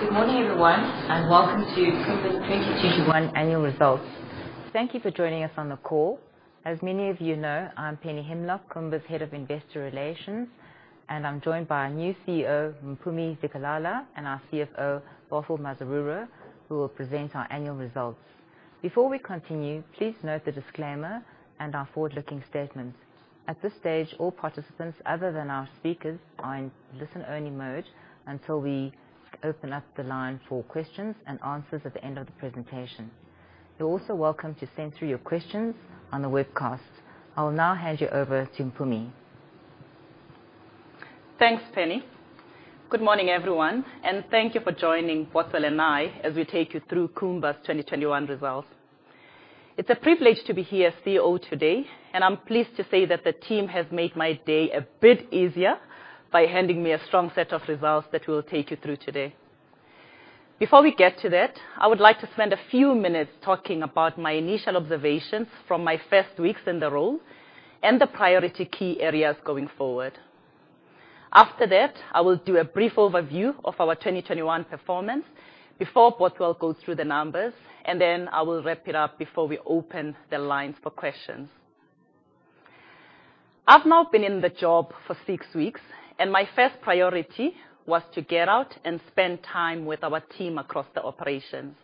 Good morning, everyone, and Welcome to Kumba's 2021 annual results. Thank you for joining us on the call. As many of you know, I'm Penny Himlok, Kumba's Head of Investor Relations, and I'm joined by our new CEO, Mpumi Zikalala, and our CFO, Bothwell Mazarura, who will present our annual results. Before we continue, please note the disclaimer and our forward-looking statements. At this stage, all participants other than our speakers are in listen-only mode until we open up the line for questions and answers at the end of the presentation. You're also welcome to send through your questions on the webcast. I will now hand you over to Mpumi. Thanks, Penny. Good morning, everyone, and thank you for joining Bothwell and me as we take you through Kumba's 2021 results. It's a privilege to be here as CEO today, and I'm pleased to say that the team has made my day a bit easier by handing me a strong set of results that we'll take you through today. Before we get to that, I would like to spend a few minutes talking about my initial observations from my first weeks in the role and the priority key areas going forward. After that, I will do a brief overview of our 2021 performance before Bothwell goes through the numbers, and then I will wrap it up before we open the lines for questions. I've now been in the job for six weeks, and my first priority was to get out and spend time with our team across the operations.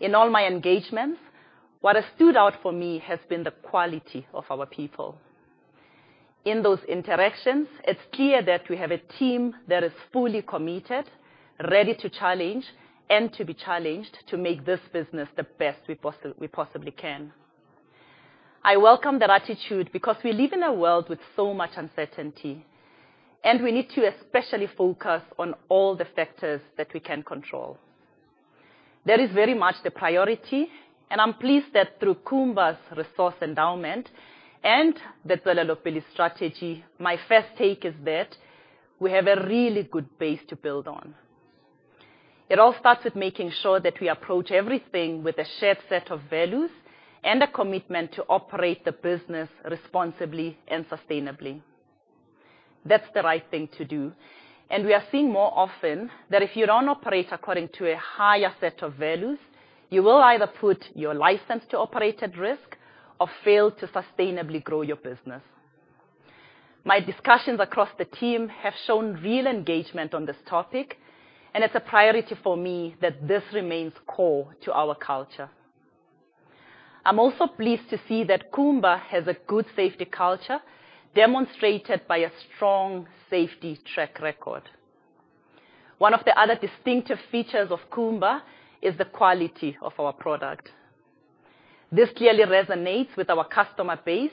In all my engagements, what has stood out for me has been the quality of our people. In those interactions, it's clear that we have a team that is fully committed, ready to challenge, and to be challenged to make this business the best we possibly can. I welcome that attitude because we live in a world with so much uncertainty, and we need to especially focus on all the factors that we can control. That is very much the priority, and I'm pleased that through Kumba's resource endowment and the Tswelelopele strategy, my first take is that we have a really good base to build on. It all starts with making sure that we approach everything with a shared set of values and a commitment to operate the business responsibly and sustainably. That's the right thing to do. We are seeing more often that if you don't operate according to a higher set of values, you will either put your license to operate at risk or fail to sustainably grow your business. My discussions across the team have shown real engagement on this topic, and it's a priority for me that this remains core to our culture. I'm also pleased to see that Kumba has a good safety culture, demonstrated by a strong safety track record. One of the other distinctive features of Kumba is the quality of our product. This clearly resonates with our customer base,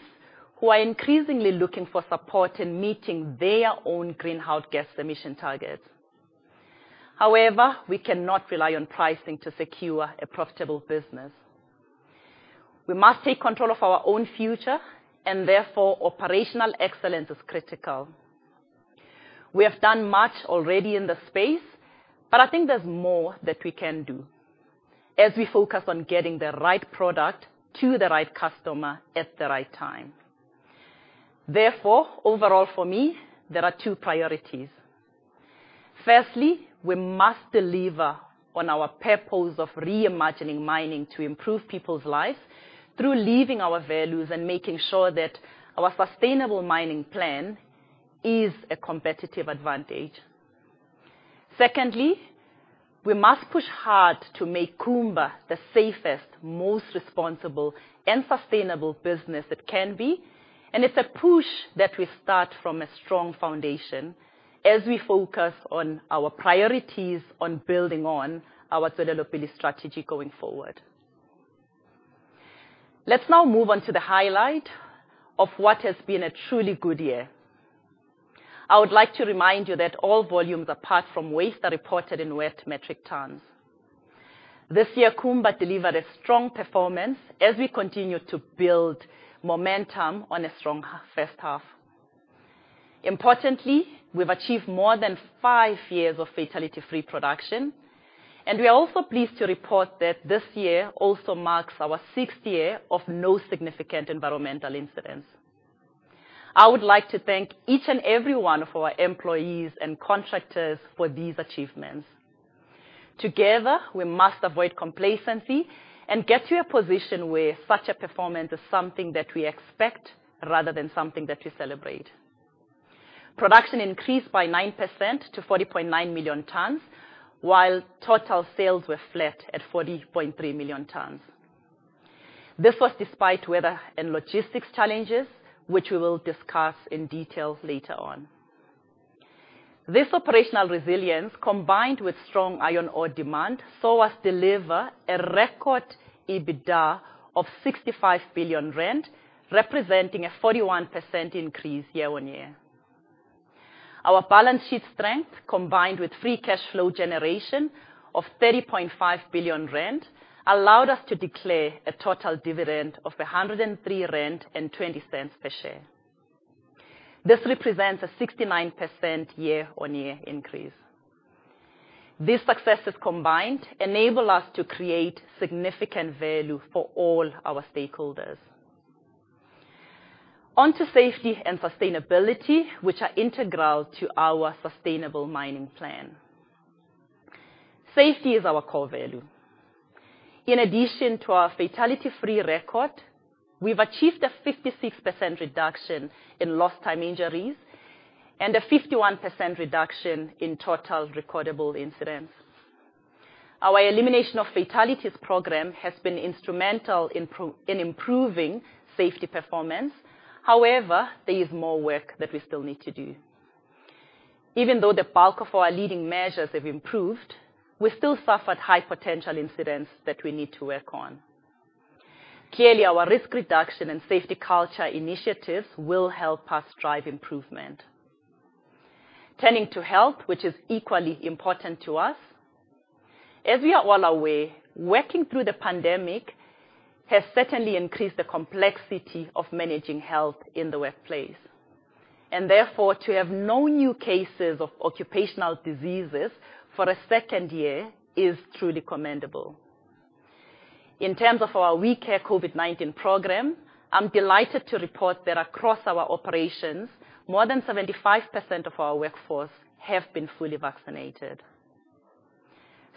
who are increasingly looking for support in meeting their own greenhouse gas emission targets. However, we cannot rely on pricing to secure a profitable business. We must take control of our own future, and therefore, operational excellence is critical. We have done much already in this space, but I think there's more that we can do as we focus on getting the right product to the right customer at the right time. Therefore, overall for me, there are two priorities. Firstly, we must deliver on our purpose of reimagining mining to improve people's lives through living our values and making sure that our sustainable mining plan is a competitive advantage. Secondly, we must push hard to make Kumba the safest, most responsible, and sustainable business it can be, and it's a push that we start from a strong foundation as we focus on our priorities on building on our Tswelelopele strategy going forward. Let's now move on to the highlight of what has been a truly good year. I would like to remind you that all volumes apart from waste are reported in wet metric tons. This year, Kumba delivered a strong performance as we continue to build momentum on a strong first half. Importantly, we've achieved more than five years of fatality-free production, and we are also pleased to report that this year also marks our sixth year of no significant environmental incidents. I would like to thank each and every one of our employees and contractors for these achievements. Together, we must avoid complacency and get to a position where such a performance is something that we expect rather than something that we celebrate. Production increased by 9% to 40.9 million tons, while total sales were flat at 40.3 million tons. This was despite weather and logistics challenges, which we will discuss in detail later on. This operational resilience, combined with strong iron ore demand, saw us deliver a record EBITDA of 65 billion rand, representing a 41% increase year-on-year. Our balance sheet strength, combined with free cash flow generation of 30.5 billion rand, allowed us to declare a total dividend of 103.20 rand per share. This represents a 69% year-on-year increase. These successes combined enable us to create significant value for all our stakeholders. On to safety and sustainability, which are integral to our sustainable mining plan. Safety is our core value. In addition to our fatality-free record, we've achieved a 56% reduction in lost time injuries and a 51% reduction in total recordable incidents. Our elimination of fatalities program has been instrumental in improving safety performance. However, there is more work that we still need to do. Even though the bulk of our leading measures have improved, we still suffered high potential incidents that we need to work on. Clearly, our risk reduction and safety culture initiatives will help us drive improvement. Turning to health, which is equally important to us. As we are all aware, working through the pandemic has certainly increased the complexity of managing health in the workplace, and therefore to have no new cases of occupational diseases for a second year is truly commendable. In terms of our WeCare COVID-19 program, I'm delighted to report that across our operations, more than 75% of our workforce have been fully vaccinated.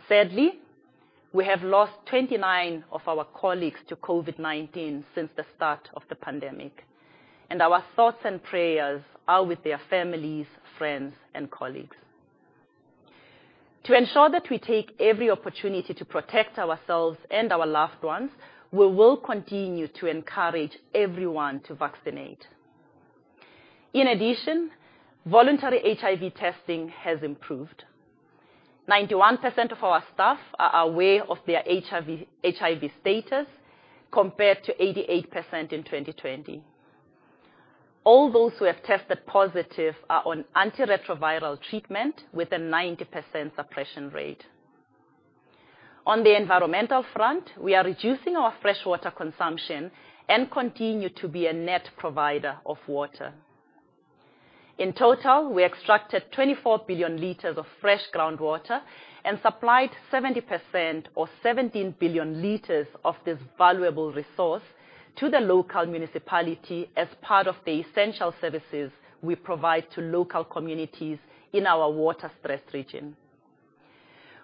Sadly, we have lost 29 of our colleagues to COVID-19 since the start of the pandemic, and our thoughts and prayers are with their families, friends, and colleagues. To ensure that we take every opportunity to protect ourselves and our loved ones, we will continue to encourage everyone to vaccinate. In addition, voluntary HIV testing has improved. 91% of our staff are aware of their HIV status, compared to 88% in 2020. All those who have tested positive are on antiretroviral treatment with a 90% suppression rate. On the environmental front, we are reducing our freshwater consumption and continue to be a net provider of water. In total, we extracted 24 billion liters of fresh groundwater and supplied 70% or 17 billion liters of this valuable resource to the local municipality as part of the essential services we provide to local communities in our water-stressed region.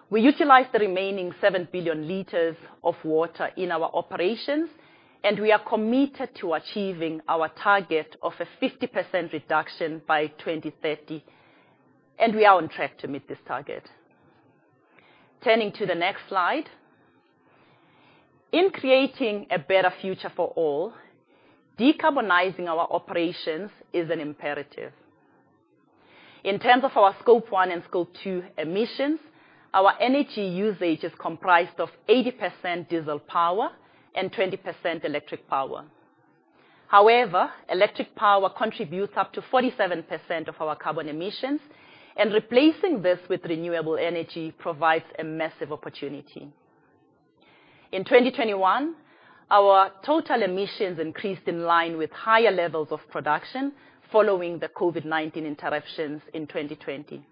We utilize the remaining 7 billion liters of water in our operations, and we are committed to achieving our target of a 50% reduction by 2030, and we are on track to meet this target. Turning to the next slide. In creating a better future for all, decarbonizing our operations is an imperative. In terms of our Scope 1 and Scope 2 emissions, our energy usage is comprised of 80% diesel power and 20% electric power. However, electric power contributes up to 47% of our carbon emissions, and replacing this with renewable energy provides a massive opportunity. In 2021, our total emissions increased in line with higher levels of production following the COVID-19 interruptions in 2020.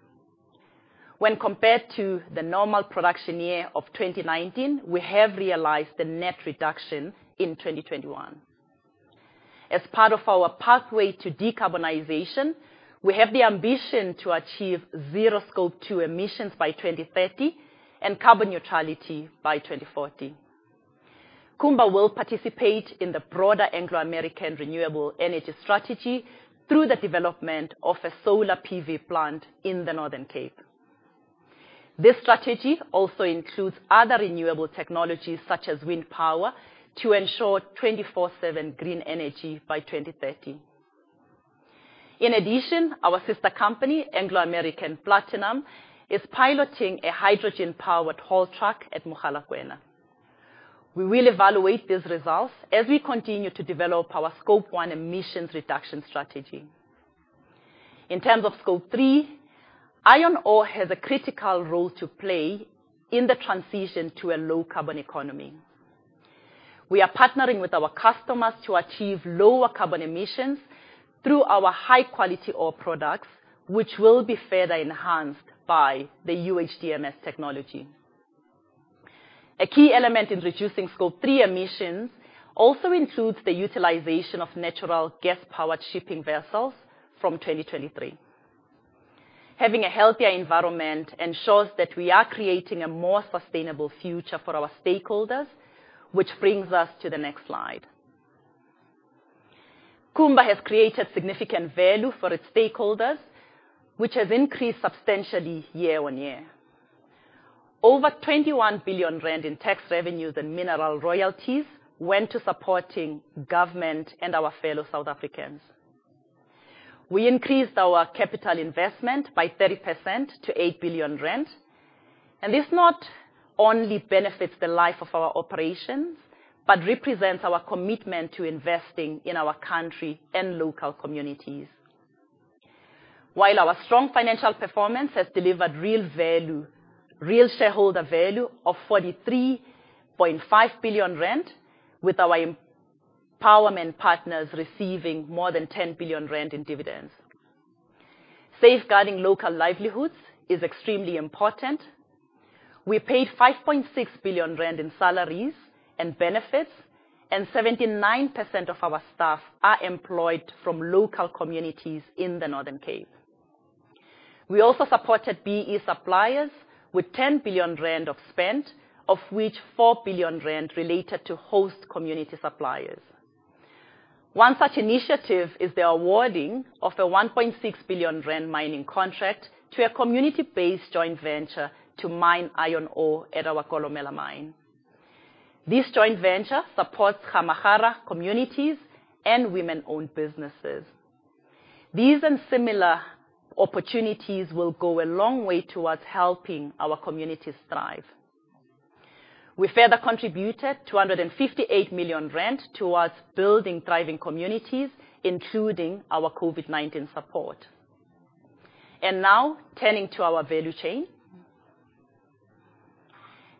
When compared to the normal production year of 2019, we have realized a net reduction in 2021. As part of our pathway to decarbonization, we have the ambition to achieve zero Scope 2 emissions by 2030 and carbon neutrality by 2040. Kumba will participate in the broader Anglo American renewable energy strategy through the development of a solar PV plant in the Northern Cape. This strategy also includes other renewable technologies such as wind power to ensure 24/7 green energy by 2030. In addition, our sister company, Anglo American Platinum, is piloting a hydrogen-powered haul truck at Mogalakwena. We will evaluate these results as we continue to develop our Scope 1 emissions reduction strategy. In terms of Scope 3, iron ore has a critical role to play in the transition to a low carbon economy. We are partnering with our customers to achieve lower carbon emissions through our high-quality ore products, which will be further enhanced by the UHDMS technology. A key element in reducing Scope 3 emissions also includes the utilization of natural gas-powered shipping vessels from 2023. Having a healthier environment ensures that we are creating a more sustainable future for our stakeholders, which brings us to the next slide. Kumba has created significant value for its stakeholders, which has increased substantially year-on-year. Over 21 billion rand in tax revenues and mineral royalties went to supporting government and our fellow South Africans. We increased our capital investment by 30% to 8 billion rand, and this not only benefits the life of our operations, but represents our commitment to investing in our country and local communities. While our strong financial performance has delivered real value, real shareholder value of 43.5 billion rand, with our empowerment partners receiving more than 10 billion rand in dividends. Safeguarding local livelihoods is extremely important. We paid 5.6 billion rand in salaries and benefits, and 79% of our staff are employed from local communities in the Northern Cape. We also supported BEE suppliers with 10 billion rand of spend, of which 4 billion rand related to host community suppliers. One such initiative is the awarding of the 1.6 billion rand mining contract to a community-based joint venture to mine iron ore at our Kolomela mine. This joint venture supports Gamagara communities and women-owned businesses. These and similar opportunities will go a long way towards helping our communities thrive. We further contributed 258 million rand towards building thriving communities, including our COVID-19 support. Now turning to our value chain.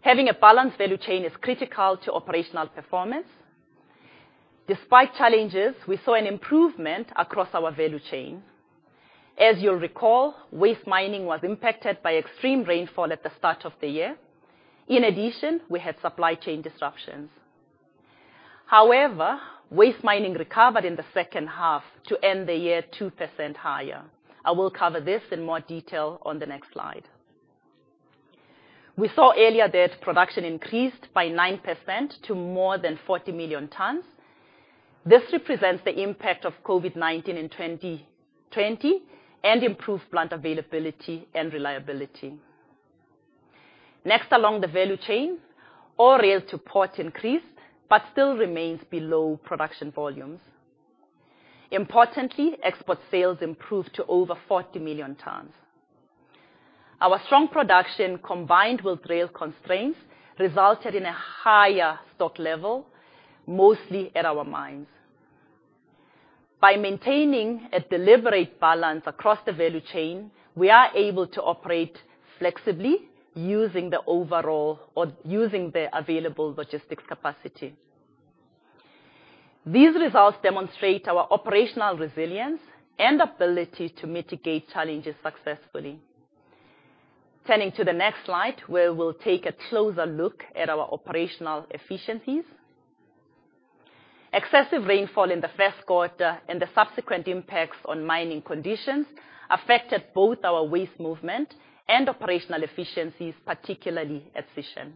Having a balanced value chain is critical to operational performance. Despite challenges, we saw an improvement across our value chain. As you'll recall, waste mining was impacted by extreme rainfall at the start of the year. In addition, we had supply chain disruptions. However, waste mining recovered in the second half to end the year 2% higher. I will cover this in more detail on the next slide. We saw earlier that production increased by 9% to more than 40 million tons. This represents the impact of COVID-19 in 2020 and improved plant availability and reliability. Next, along the value chain, ore rails to port increased but still remains below production volumes. Importantly, export sales improved to over 40 million tons. Our strong production, combined with rail constraints, resulted in a higher stock level, mostly at our mines. By maintaining a deliberate balance across the value chain, we are able to operate flexibly using the overall or using the available logistics capacity. These results demonstrate our operational resilience and ability to mitigate challenges successfully. Turning to the next slide, where we'll take a closer look at our operational efficiencies. Excessive rainfall in the first quarter and the subsequent impacts on mining conditions affected both our waste movement and operational efficiencies, particularly at Sishen.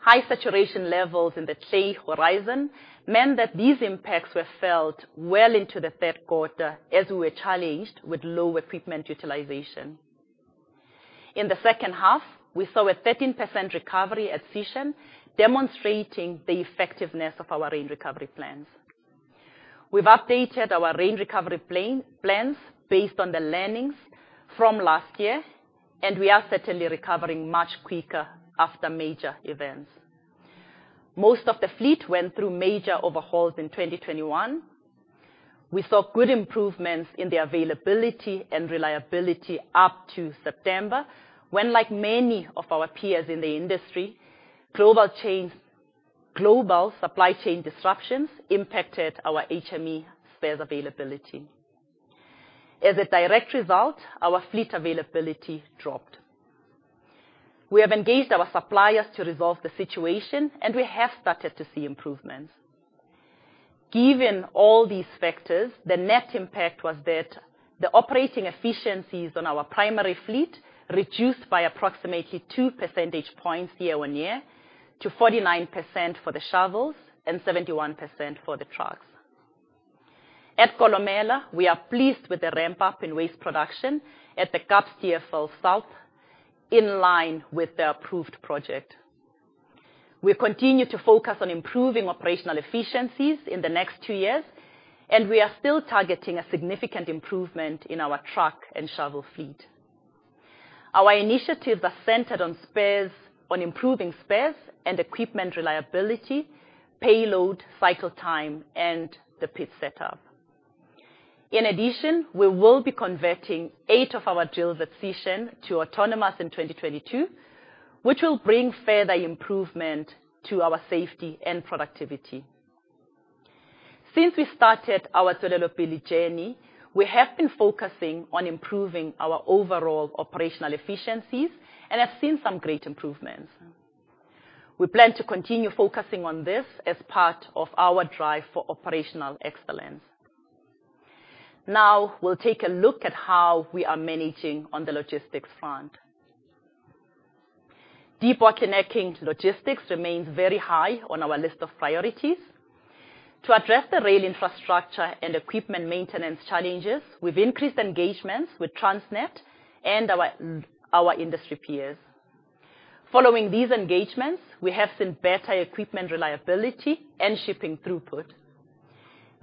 High saturation levels in the clay horizon meant that these impacts were felt well into the third quarter as we were challenged with lower equipment utilization. In the second half, we saw a 13% recovery at Sishen, demonstrating the effectiveness of our rain recovery plans. We've updated our rain recovery plans based on the learnings from last year, and we are certainly recovering much quicker after major events. Most of the fleet went through major overhauls in 2021. We saw good improvements in the availability and reliability up to September, when like many of our peers in the industry, global supply chain disruptions impacted our HME spares availability. As a direct result, our fleet availability dropped. We have engaged our suppliers to resolve the situation, and we have started to see improvements. Given all these factors, the net impact was that the operating efficiencies on our primary fleet reduced by approximately two percentage points year-on-year to 49% for the shovels and 71% for the trucks. At Kolomela, we are pleased with the ramp-up in waste production at the Kapstevel South in line with the approved project. We continue to focus on improving operational efficiencies in the next two years, and we are still targeting a significant improvement in our truck and shovel fleet. Our initiatives are centered on improving spares and equipment reliability, payload, cycle time, and the pit setup. In addition, we will be converting 8 of our drills at Sishen to autonomous in 2022, which will bring further improvement to our safety and productivity. Since we started our Tswelelopele journey, we have been focusing on improving our overall operational efficiencies and have seen some great improvements. We plan to continue focusing on this as part of our drive for operational excellence. Now, we'll take a look at how we are managing on the logistics front. Deep-water connectivity to logistics remains very high on our list of priorities. To address the rail infrastructure and equipment maintenance challenges, we've increased engagements with Transnet and our industry peers. Following these engagements, we have seen better equipment reliability and shipping throughput.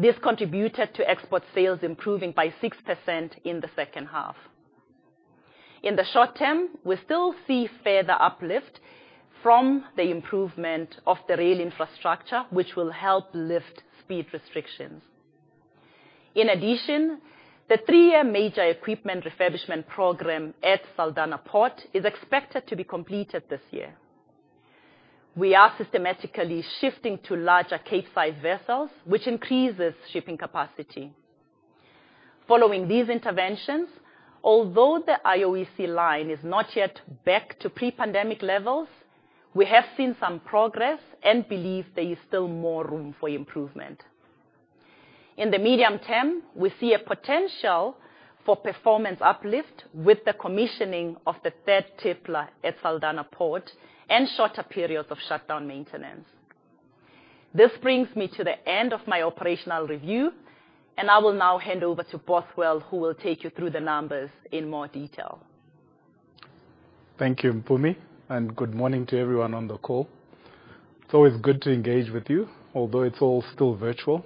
This contributed to export sales improving by 6% in the second half. In the short term, we still see further uplift from the improvement of the rail infrastructure, which will help lift speed restrictions. In addition, the three-year major equipment refurbishment program at Saldanha Port is expected to be completed this year. We are systematically shifting to larger Capesize vessels, which increases shipping capacity. Following these interventions, although the IOEC line is not yet back to pre-pandemic levels, we have seen some progress and believe there is still more room for improvement. In the medium term, we see a potential for performance uplift with the commissioning of the third tippler at Saldanha Port and shorter periods of shutdown maintenance. This brings me to the end of my operational review, and I will now hand over to Bothwell, who will take you through the numbers in more detail. Thank you, Mpumi, and good morning to everyone on the call. It's always good to engage with you, although it's all still virtual.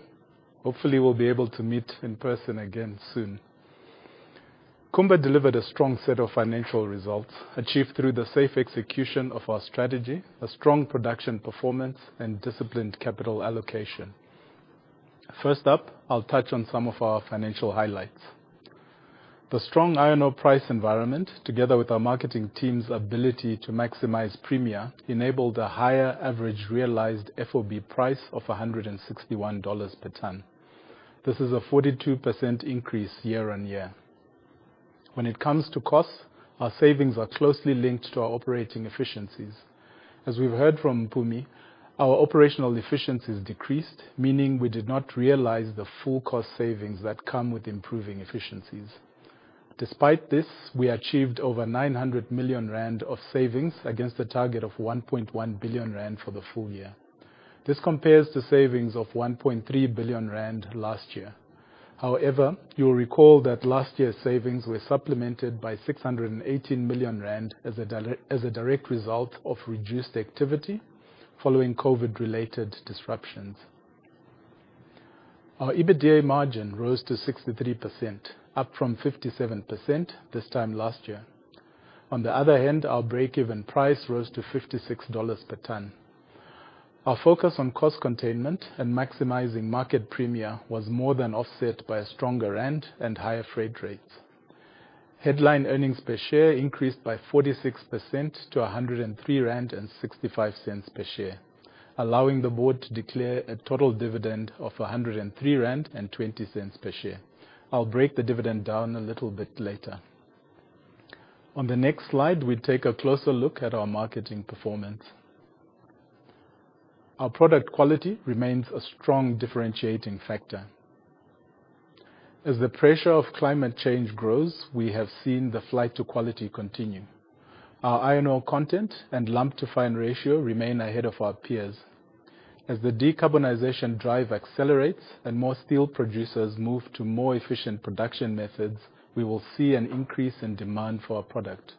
Hopefully, we'll be able to meet in person again soon. Kumba delivered a strong set of financial results achieved through the safe execution of our strategy, a strong production performance, and disciplined capital allocation. First up, I'll touch on some of our financial highlights. The strong iron ore price environment, together with our marketing team's ability to maximize premia, enabled a higher average realized FOB price of $161 per ton. This is a 42% increase year-on-year. When it comes to costs, our savings are closely linked to our operating efficiencies. As we've heard from Mpumi, our operational efficiencies decreased, meaning we did not realize the full cost savings that come with improving efficiencies. Despite this, we achieved over 900 million rand of savings against a target of 1.1 billion rand for the full year. This compares to savings of 1.3 billion rand last year. However, you'll recall that last year's savings were supplemented by 618 million rand as a direct result of reduced activity following COVID-related disruptions. Our EBITDA margin rose to 63%, up from 57% this time last year. On the other hand, our break-even price rose to $56 per ton. Our focus on cost containment and maximizing market premia was more than offset by a stronger rand and higher freight rates. Headline earnings per share increased by 46% to 103.65 rand per share, allowing the board to declare a total dividend of 103.20 rand per share. I'll break the dividend down a little bit later. On the next slide, we take a closer look at our marketing performance. Our product quality remains a strong differentiating factor. As the pressure of climate change grows, we have seen the flight to quality continue. Our iron ore content and lump-to-fines ratio remain ahead of our peers. As the decarbonization drive accelerates and more steel producers move to more efficient production methods, we will see an increase in demand for our product.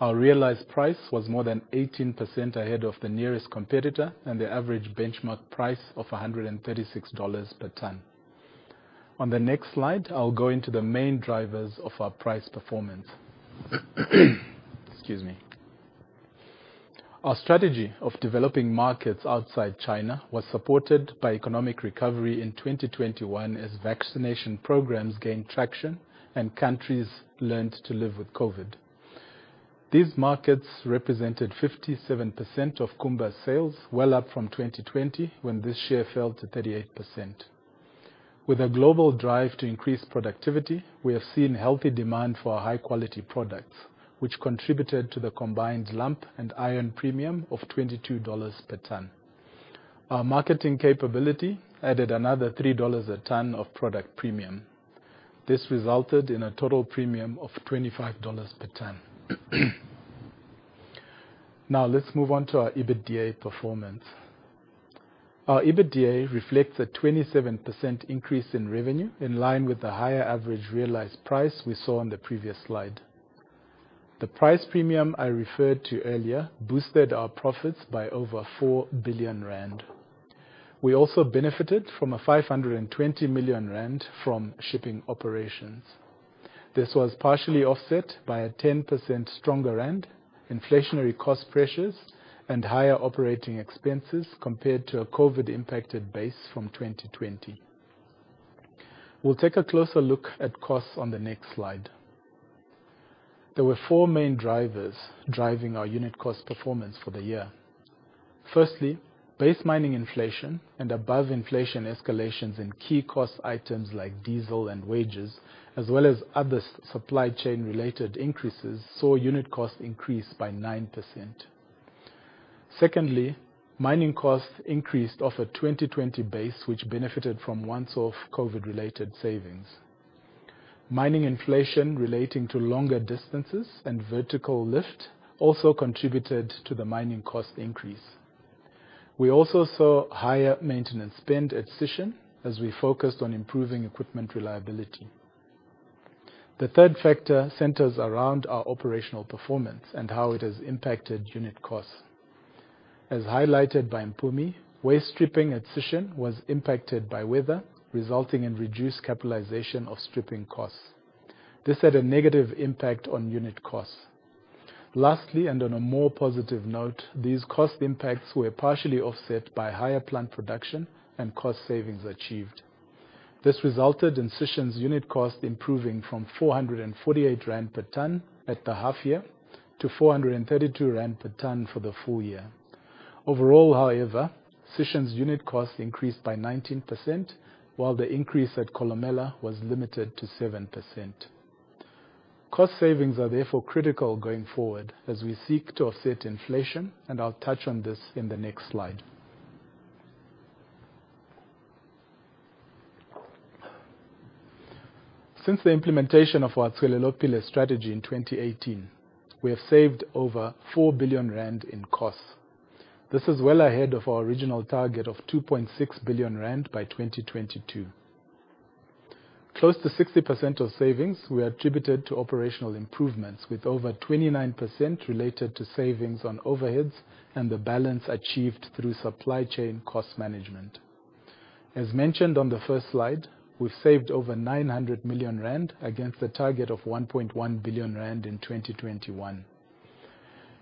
Our realized price was more than 18% ahead of the nearest competitor and the average benchmark price of $136 per ton. On the next slide, I'll go into the main drivers of our price performance. Excuse me. Our strategy of developing markets outside China was supported by economic recovery in 2021 as vaccination programs gained traction and countries learned to live with COVID. These markets represented 57% of Kumba's sales, well up from 2020 when this share fell to 38%. With a global drive to increase productivity, we have seen healthy demand for our high-quality products, which contributed to the combined lump and iron premium of $22 per ton. Our marketing capability added another $3 a ton of product premium. This resulted in a total premium of $25 per ton. Now, let's move on to our EBITDA performance. Our EBITDA reflects a 27% increase in revenue in line with the higher average realized price we saw on the previous slide. The price premium I referred to earlier boosted our profits by over 4 billion rand. We also benefited from 520 million rand from shipping operations. This was partially offset by a 10% stronger rand, inflationary cost pressures, and higher operating expenses compared to a COVID-impacted base from 2020. We'll take a closer look at costs on the next slide. There were four main drivers driving our unit cost performance for the year. Firstly, base mining inflation and above inflation escalations in key cost items like diesel and wages, as well as other supply chain-related increases, saw unit costs increase by 9%. Secondly, mining costs increased off a 2020 base, which benefited from one-off COVID-related savings. Mining inflation relating to longer distances and vertical lift also contributed to the mining cost increase. We also saw higher maintenance spend at Sishen, as we focused on improving equipment reliability. The third factor centers around our operational performance and how it has impacted unit costs. As highlighted by Mpumi, waste stripping at Sishen was impacted by weather, resulting in reduced capitalization of stripping costs. This had a negative impact on unit costs. Lastly, and on a more positive note, these cost impacts were partially offset by higher plant production and cost savings achieved. This resulted in Sishen's unit cost improving from 448 rand per ton at the half-year to 432 rand per ton for the full year. Overall, however, Sishen's unit cost increased by 19%, while the increase at Kolomela was limited to 7%. Cost savings are therefore critical going forward as we seek to offset inflation, and I'll touch on this in the next slide. Since the implementation of our Tswelelopele strategy in 2018, we have saved over 4 billion rand in costs. This is well ahead of our original target of 2.6 billion rand by 2022. Close to 60% of savings were attributed to operational improvements, with over 29% related to savings on overheads and the balance achieved through supply chain cost management. As mentioned on the first slide, we've saved over 900 million rand against the target of 1.1 billion rand in 2021.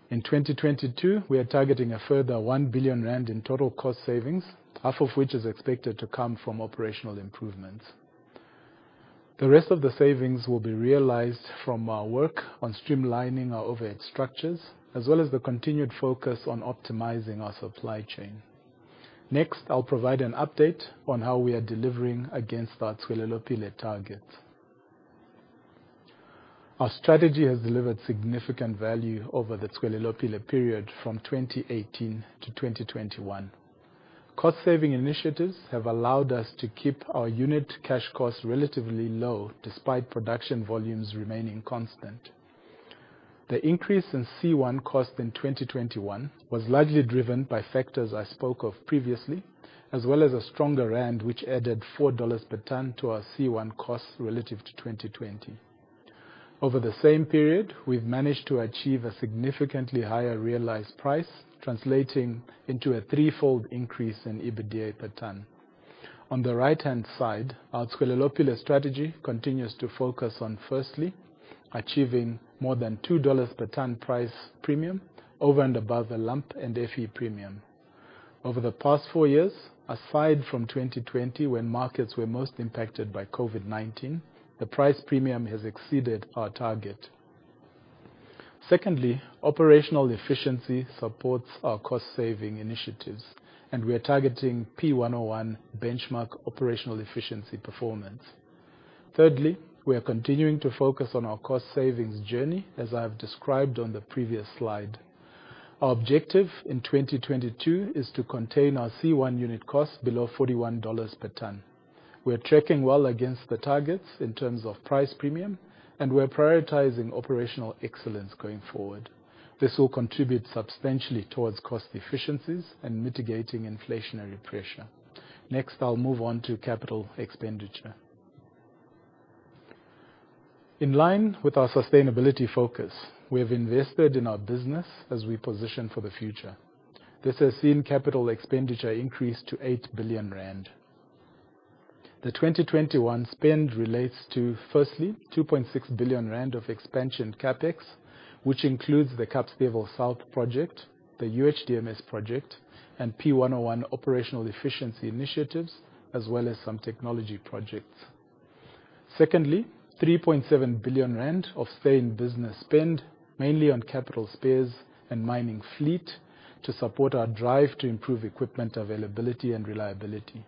In 2022, we are targeting a further 1 billion rand in total cost savings, half of which is expected to come from operational improvements. The rest of the savings will be realized from our work on streamlining our overhead structures, as well as the continued focus on optimizing our supply chain. Next, I'll provide an update on how we are delivering against our Tswelelopele targets. Our strategy has delivered significant value over the Tswelelopele period from 2018 to 2021. Cost-saving initiatives have allowed us to keep our unit cash costs relatively low, despite production volumes remaining constant. The increase in C1 cost in 2021 was largely driven by factors I spoke of previously, as well as a stronger rand, which added $4 per ton to our C1 costs relative to 2020. Over the same period, we've managed to achieve a significantly higher realized price, translating into a threefold increase in EBITDA per ton. On the right-hand side, our Tswelelopele strategy continues to focus on, firstly, achieving more than $2 per ton price premium over and above the lump and FE premium. Over the past four years, aside from 2020, when markets were most impacted by COVID-19, the price premium has exceeded our target. Secondly, operational efficiency supports our cost-saving initiatives, and we are targeting P101 benchmark operational efficiency performance. Thirdly, we are continuing to focus on our cost savings journey, as I have described on the previous slide. Our objective in 2022 is to contain our C1 unit costs below $41 per ton. We are tracking well against the targets in terms of price premium, and we're prioritizing operational excellence going forward. This will contribute substantially towards cost efficiencies and mitigating inflationary pressure. Next, I'll move on to capital expenditure. In line with our sustainability focus, we have invested in our business as we position for the future. This has seen capital expenditure increase to 8 billion rand. The 2021 spend relates to, firstly, 2.6 billion rand of expansion CapEx, which includes the Kapstevel South project, the UHDMS project, and P101 operational efficiency initiatives, as well as some technology projects. Secondly, 3.7 billion rand of staying business spend, mainly on capital spares and mining fleet to support our drive to improve equipment availability and reliability.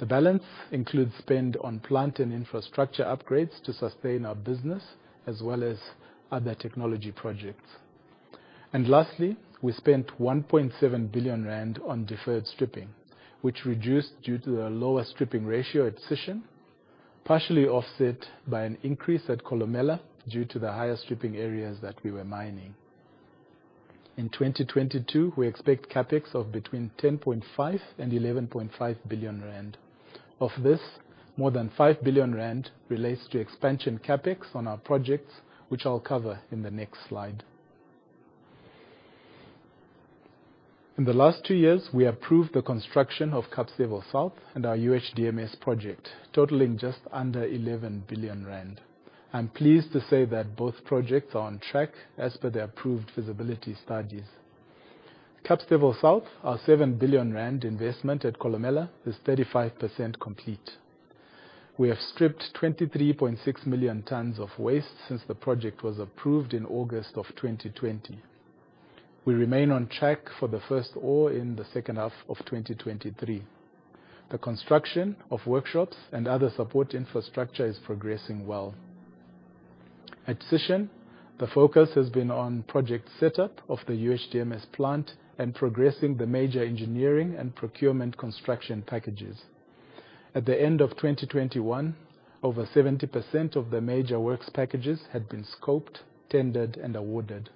The balance includes spend on plant and infrastructure upgrades to sustain our business, as well as other technology projects. Lastly, we spent 1.7 billion rand on deferred stripping, which reduced due to the lower stripping ratio at Sishen, partially offset by an increase at Kolomela due to the higher stripping areas that we were mining. In 2022, we expect CapEx of between 10.5 billion and 11.5 billion rand. Of this, more than 5 billion rand relates to expansion CapEx on our projects, which I'll cover in the next slide. In the last two years, we approved the construction of Kapstevel South and our UHDMS project, totaling just under 11 billion rand. I'm pleased to say that both projects are on track as per the approved feasibility studies. Kapstevel South, our 7 billion rand investment at Kolomela, is 35% complete. We have stripped 23.6 million tons of waste since the project was approved in August 2020. We remain on track for the first ore in the second half of 2023. The construction of workshops and other support infrastructure is progressing well. At Sishen, the focus has been on project setup of the UHDMS plant and progressing the major engineering and procurement construction packages. At the end of 2021, over 70% of the major works packages had been scoped, tendered, and awarded.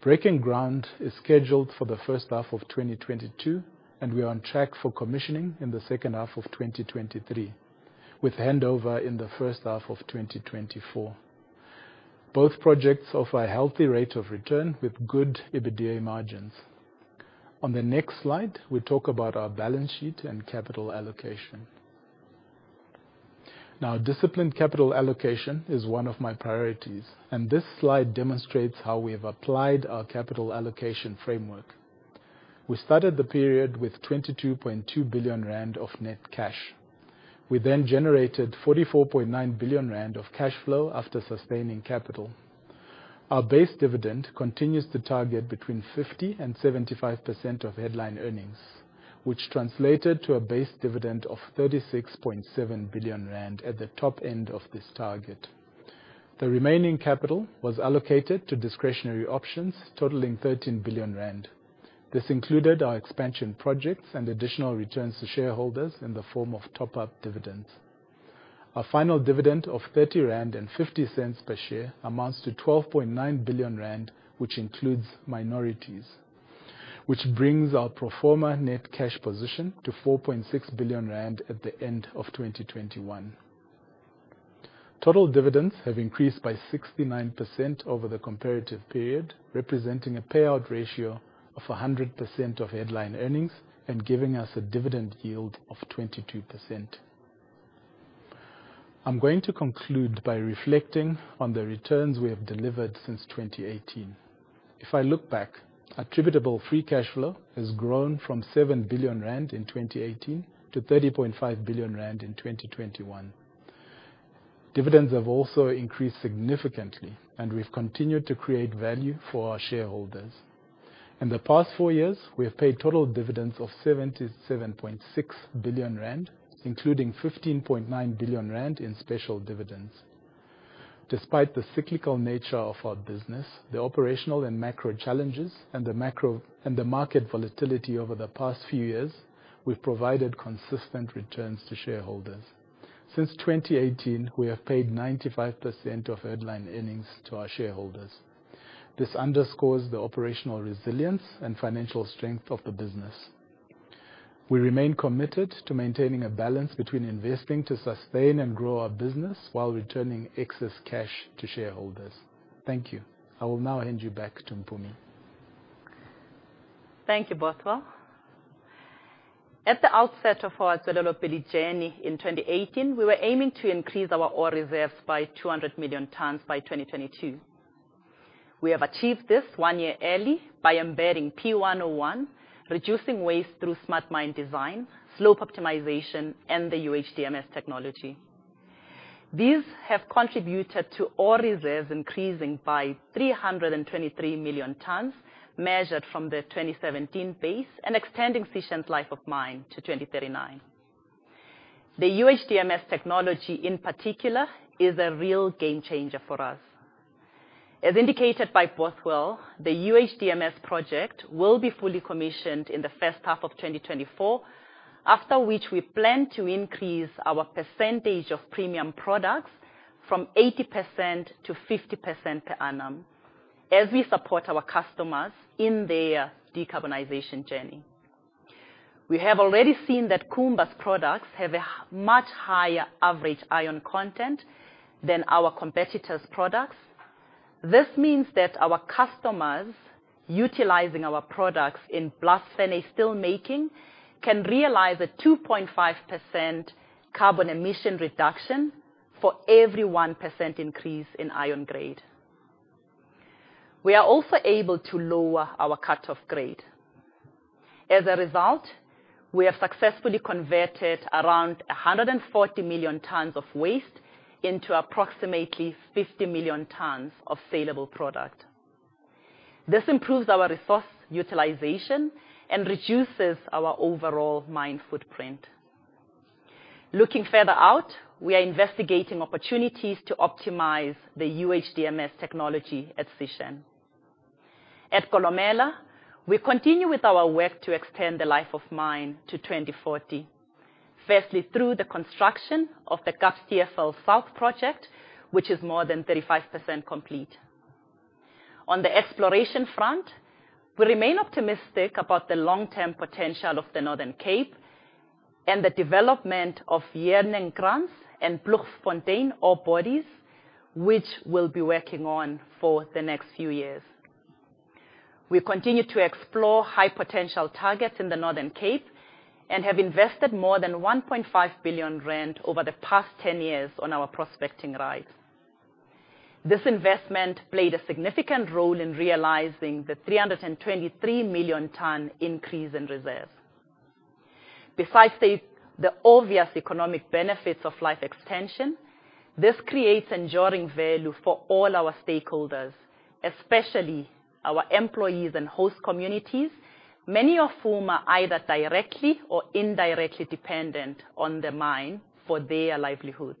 Breaking ground is scheduled for the first half of 2022, and we are on track for commissioning in the second half of 2023, with handover in the first half of 2024. Both projects offer a healthy rate of return with good EBITDA margins. On the next slide, we talk about our balance sheet and capital allocation. Now, disciplined capital allocation is one of my priorities, and this slide demonstrates how we have applied our capital allocation framework. We started the period with 22.2 billion rand of net cash. We then generated 44.9 billion rand of cash flow after sustaining capital. Our base dividend continues to target between 50%-75% of headline earnings, which translates to a base dividend of 36.7 billion rand at the top end of this target. The remaining capital was allocated to discretionary options totaling 13 billion rand. This included our expansion projects and additional returns to shareholders in the form of top-up dividends. Our final dividend of 30.50 rand per share amounts to 12.9 billion rand, which includes minorities. Which brings our pro forma net cash position to 4.6 billion rand at the end of 2021. Total dividends have increased by 69% over the comparative period, representing a payout ratio of 100% of headline earnings and giving us a dividend yield of 22%. I'm going to conclude by reflecting on the returns we have delivered since 2018. If I look back, attributable free cash flow has grown from 7 billion rand in 2018 to 30.5 billion rand in 2021. Dividends have also increased significantly, and we've continued to create value for our shareholders. In the past four years, we have paid total dividends of 77.6 billion rand, including 15.9 billion rand in special dividends. Despite the cyclical nature of our business, the operational and macro challenges, and the market volatility over the past few years, we've provided consistent returns to shareholders. Since 2018, we have paid 95% of headline earnings to our shareholders. This underscores the operational resilience and financial strength of the business. We remain committed to maintaining a balance between investing to sustain and grow our business while returning excess cash to shareholders. Thank you. I will now hand you back to Mpumi. Thank you, Bothwell. At the outset of our development journey in 2018, we were aiming to increase our ore reserves by 200 million tons by 2022. We have achieved this one year early by embedding P101, reducing waste through smart mine design, slope optimization, and the UHDMS technology. These have contributed to ore reserves increasing by 323 million tons, measured from the 2017 base and extending Sishen's life of mine to 2039. The UHDMS technology, in particular, is a real game-changer for us. As indicated by Bothwell, the UHDMS project will be fully commissioned in the first half of 2024, after which we plan to increase our percentage of premium products from 80%-50% per annum as we support our customers in their decarbonization journey. We have already seen that Kumba's products have a much higher average iron content than our competitors' products. This means that our customers utilizing our products in blast furnace steel making can realize a 2.5% carbon emission reduction for every 1% increase in iron grade. We are also able to lower our cutoff grade. As a result, we have successfully converted around 140 million tons of waste into approximately 50 million tons of sellable product. This improves our resource utilization and reduces our overall mine footprint. Looking further out, we are investigating opportunities to optimize the UHDMS technology at Sishen. At Kolomela, we continue with our work to extend the life of mine to 2040. Firstly, through the construction of the Kapstevel South project, which is more than 35% complete. On the exploration front, we remain optimistic about the long-term potential of the Northern Cape and the development of Diepkloof-Driekop and Ploegfontein ore bodies, which we'll be working on for the next few years. We continue to explore high-potential targets in the Northern Cape and have invested more than 1.5 billion rand over the past 10 years on our prospecting right. This investment played a significant role in realizing the 323 million ton increase in reserves. Besides the obvious economic benefits of life extension, this creates enduring value for all our stakeholders, especially our employees and host communities, many of whom are either directly or indirectly dependent on the mine for their livelihoods.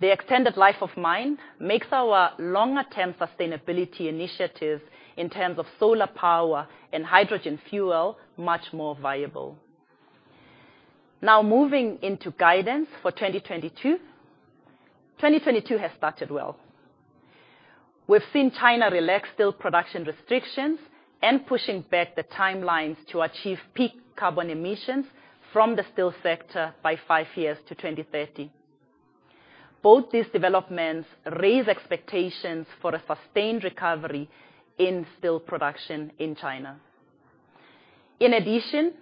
The extended life of mine makes our longer-term sustainability initiatives in terms of solar power and hydrogen fuel much more viable. Now, moving into guidance for 2022. 2022 has started well. We've seen China relax steel production restrictions and pushing back the timelines to achieve peak carbon emissions from the steel sector by five years to 2030. Both these developments raise expectations for a sustained recovery in steel production in China. In addition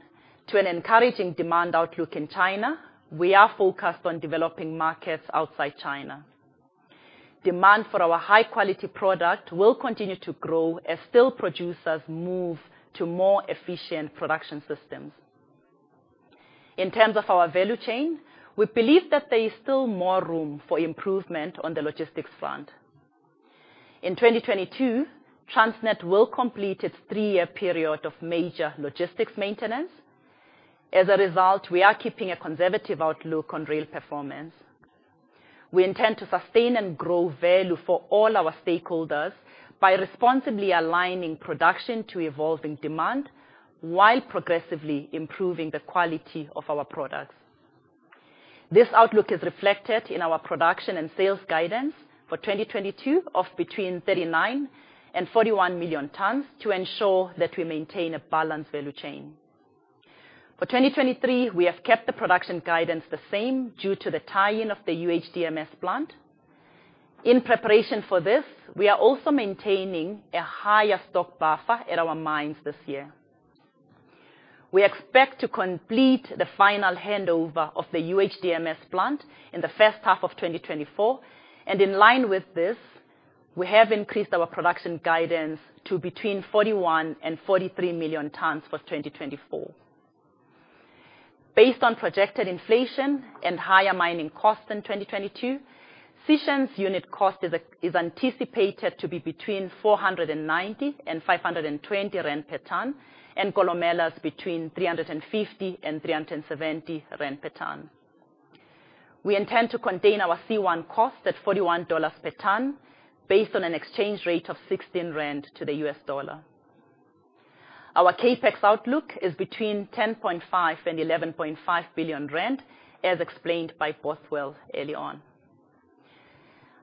to an encouraging demand outlook in China, we are focused on developing markets outside China. Demand for our high-quality product will continue to grow as steel producers move to more efficient production systems. In terms of our value chain, we believe that there is still more room for improvement on the logistics front. In 2022, Transnet will complete its three-year period of major logistics maintenance. As a result, we are keeping a conservative outlook on rail performance. We intend to sustain and grow value for all our stakeholders by responsibly aligning production to evolving demand, while progressively improving the quality of our products. This outlook is reflected in our production and sales guidance for 2022 of between 39 and 41 million tons to ensure that we maintain a balanced value chain. For 2023, we have kept the production guidance the same due to the tie-in of the UHDMS plant. In preparation for this, we are also maintaining a higher stock buffer at our mines this year. We expect to complete the final handover of the UHDMS plant in the first half of 2024, and in line with this, we have increased our production guidance to between 41 and 43 million tons for 2024. Based on projected inflation and higher mining costs in 2022, Sishen's unit cost is anticipated to be between 490 and 520 rand per ton, and Kolomela's between 350 and 370 rand per ton. We intend to contain our C1 cost at $41 per ton based on an exchange rate of 16 rand to the US dollar. Our CapEx outlook is between 10.5 billion and 11.5 billion rand, as explained by Bothwell early on.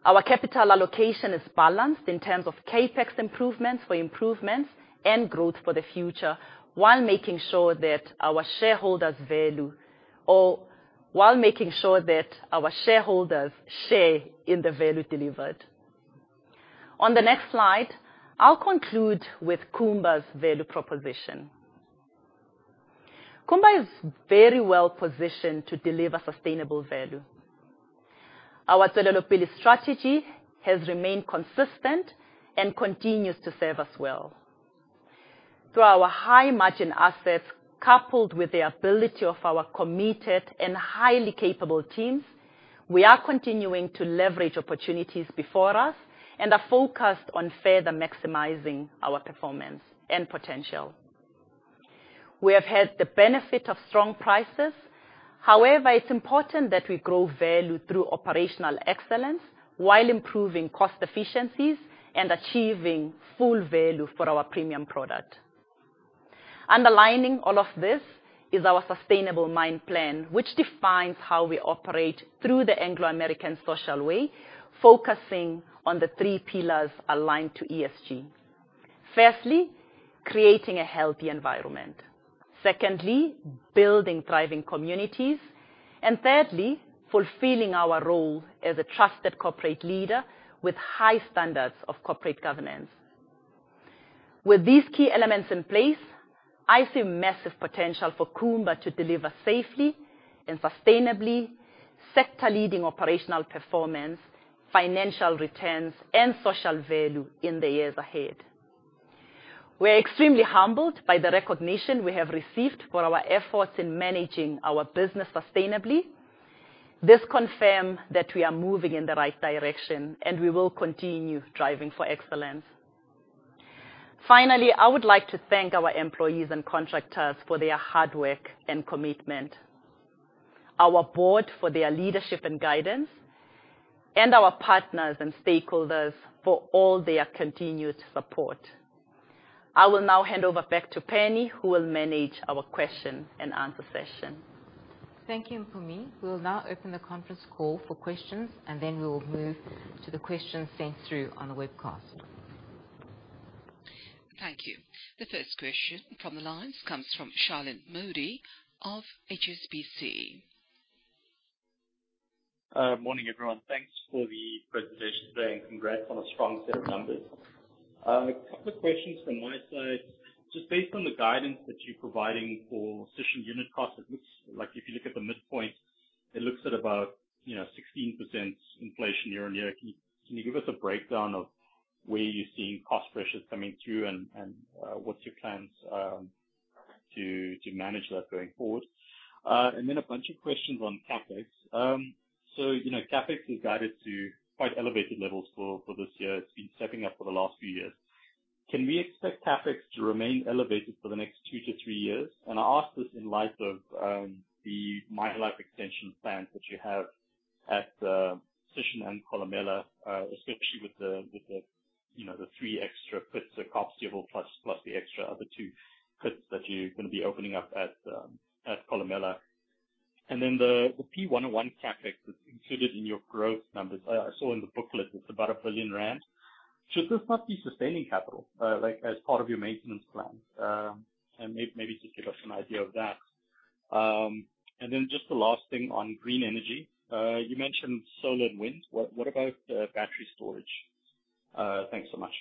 Our capital allocation is balanced in terms of CapEx improvements for improvements and growth for the future, while making sure that our shareholders share in the value delivered. On the next slide, I'll conclude with Kumba's value proposition. Kumba is very well-positioned to deliver sustainable value. Our Tswelelopele strategy has remained consistent and continues to serve us well. Through our high-margin assets, coupled with the ability of our committed and highly capable teams, we are continuing to leverage opportunities before us and are focused on further maximizing our performance and potential. We have had the benefit of strong prices. However, it's important that we grow value through operational excellence while improving cost efficiencies and achieving full-value for our premium product. Underlining all of this is our sustainable mine plan, which defines how we operate through the Anglo American Social Way, focusing on the three pillars aligned to ESG. Firstly, creating a healthy environment. Secondly, building thriving communities. Thirdly, fulfilling our role as a trusted corporate leader with high standards of corporate governance. With these key elements in place, I see massive potential for Kumba to deliver safely and sustainably, sector-leading operational performance, financial returns, and social value in the years ahead. We are extremely humbled by the recognition we have received for our efforts in managing our business sustainably. This confirms that we are moving in the right direction, and we will continue driving for excellence. Finally, I would like to thank our employees and contractors for their hard work and commitment, our board for their leadership and guidance, and our partners and stakeholders for all their continued support. I will now hand over back to Penny, who will manage our question-and-answer session. Thank you, Mpumi. We will now open the conference call for questions, and then we will move to the questions sent through on the webcast. Thank you. The first question from the lines comes from Shilan Modi of HSBC. Morning, everyone. Thanks for the presentation today, and congrats on a strong set of numbers. A couple of questions from my side. Just based on the guidance that you're providing for Sishen unit cost, it looks like if you look at the midpoint, it looks at about, you know, 16% inflation year-on-year. Can you give us a breakdown of where you're seeing cost pressures coming through and what's your plans to manage that going forward? And then a bunch of questions on CapEx. So, you know, CapEx is guided to quite elevated levels for this year. It's been stepping up for the last few years. Can we expect CapEx to remain elevated for the next two to three years? I ask this in light of the mine life extension plans that you have at Sishen and Kolomela, especially with the you know the three extra pits, the Thanks so much.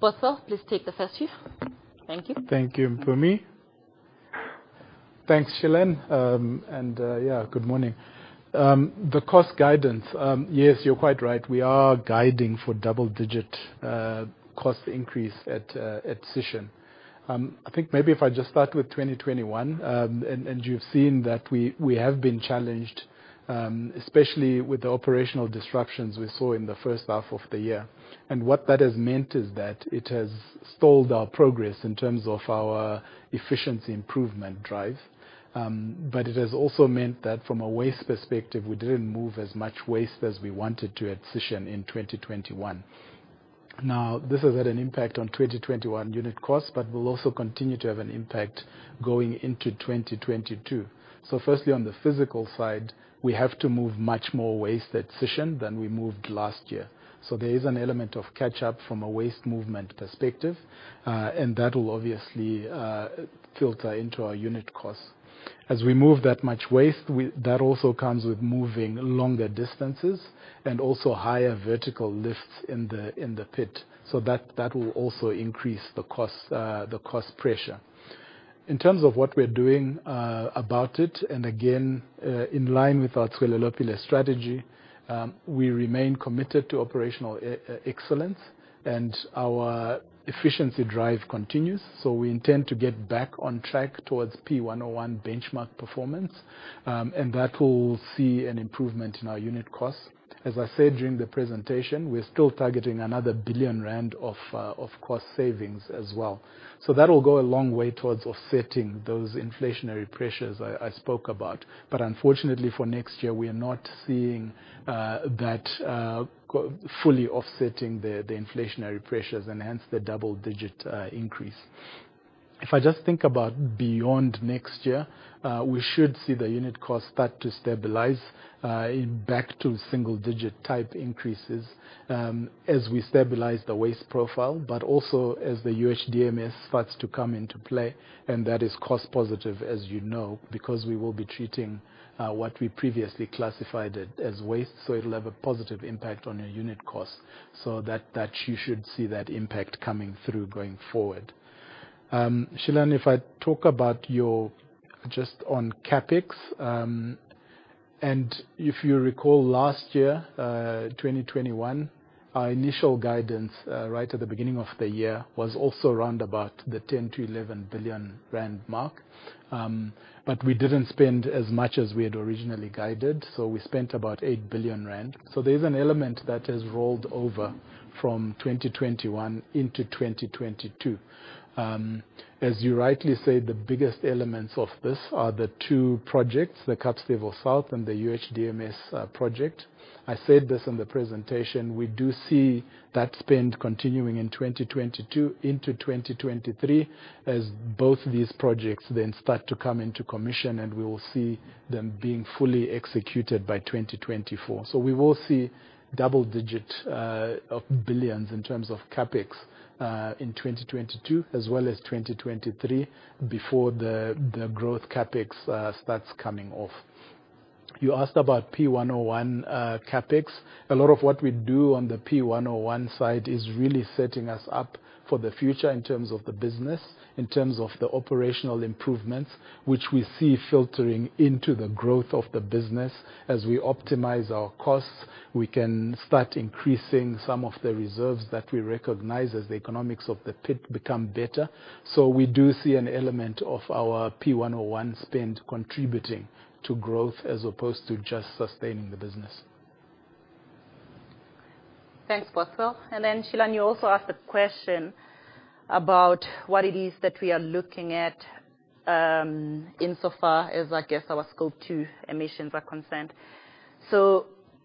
Bothwell, please take the first two. Thank you. Thank you, Mpumi. Thanks, Shilan. Good morning. The cost guidance, yes, you're quite right. We are guiding for double-digit cost increase at Sishen. I think maybe if I just start with 2021, and you've seen that we have been challenged, especially with the operational disruptions we saw in the first half of the year. What that has meant is that it has stalled our progress in terms of our efficiency improvement drive. But it has also meant that from a waste perspective, we didn't move as much waste as we wanted to at Sishen in 2021. Now, this has had an impact on 2021 unit costs, but will also continue to have an impact going into 2022. Firstly, on the physical side, we have to move much more waste at Sishen than we moved last year. There is an element of catch-up from a waste movement perspective, and that will obviously filter into our unit costs. As we move that much waste, that also comes with moving longer distances, and also higher vertical lifts in the pit. That will also increase the cost pressure. In terms of what we're doing about it, and again, in line with our Tswelelopele strategy, we remain committed to operational excellence, and our efficiency drive continues. We intend to get back on track towards P101 benchmark performance, and that will see an improvement in our unit costs. As I said during the presentation, we're still targeting another 1 billion rand of cost savings as well. That will go a long way towards offsetting those inflationary pressures I spoke about. Unfortunately for next year, we are not seeing that fully offsetting the inflationary pressures and hence the double-digit increase. If I just think about beyond next year, we should see the unit cost start to stabilize back to single digit type increases, as we stabilize the waste profile, but also as the UHDMS starts to come into play, and that is cost positive, as you know, because we will be treating what we previously classified it as waste, so it'll have a positive impact on our unit costs. That you should see that impact coming through going forward. Shilan, just on CapEx, and if you recall last year, 2021, our initial guidance, right at the beginning of the year, was also around about the 10 billion-11 billion rand mark. We didn't spend as much as we had originally guided, so we spent about 8 billion rand. There's an element that has rolled over from 2021 into 2022. As you rightly say, the biggest elements of this are the two projects, the Kapstevel South and the UHDMS project. I said this in the presentation, we do see that spend continuing in 2022 into 2023 as both these projects then start to come into commission, and we will see them being fully executed by 2024. We will see double-digit billions in terms of CapEx in 2022 as well as 2023 before the growth CapEx starts coming off. You asked about P101 CapEx. A lot of what we do on the P101 side is really setting us up for the future in terms of the business, in terms of the operational improvements, which we see filtering into the growth of the business. As we optimize our costs, we can start increasing some of the reserves that we recognize as the economics of the pit become better. We do see an element of our P101 spend contributing to growth as opposed to just sustaining the business. Thanks, Bosso. Shilan, you also asked a question about what it is that we are looking at insofar as, I guess, our Scope 2 emissions are concerned.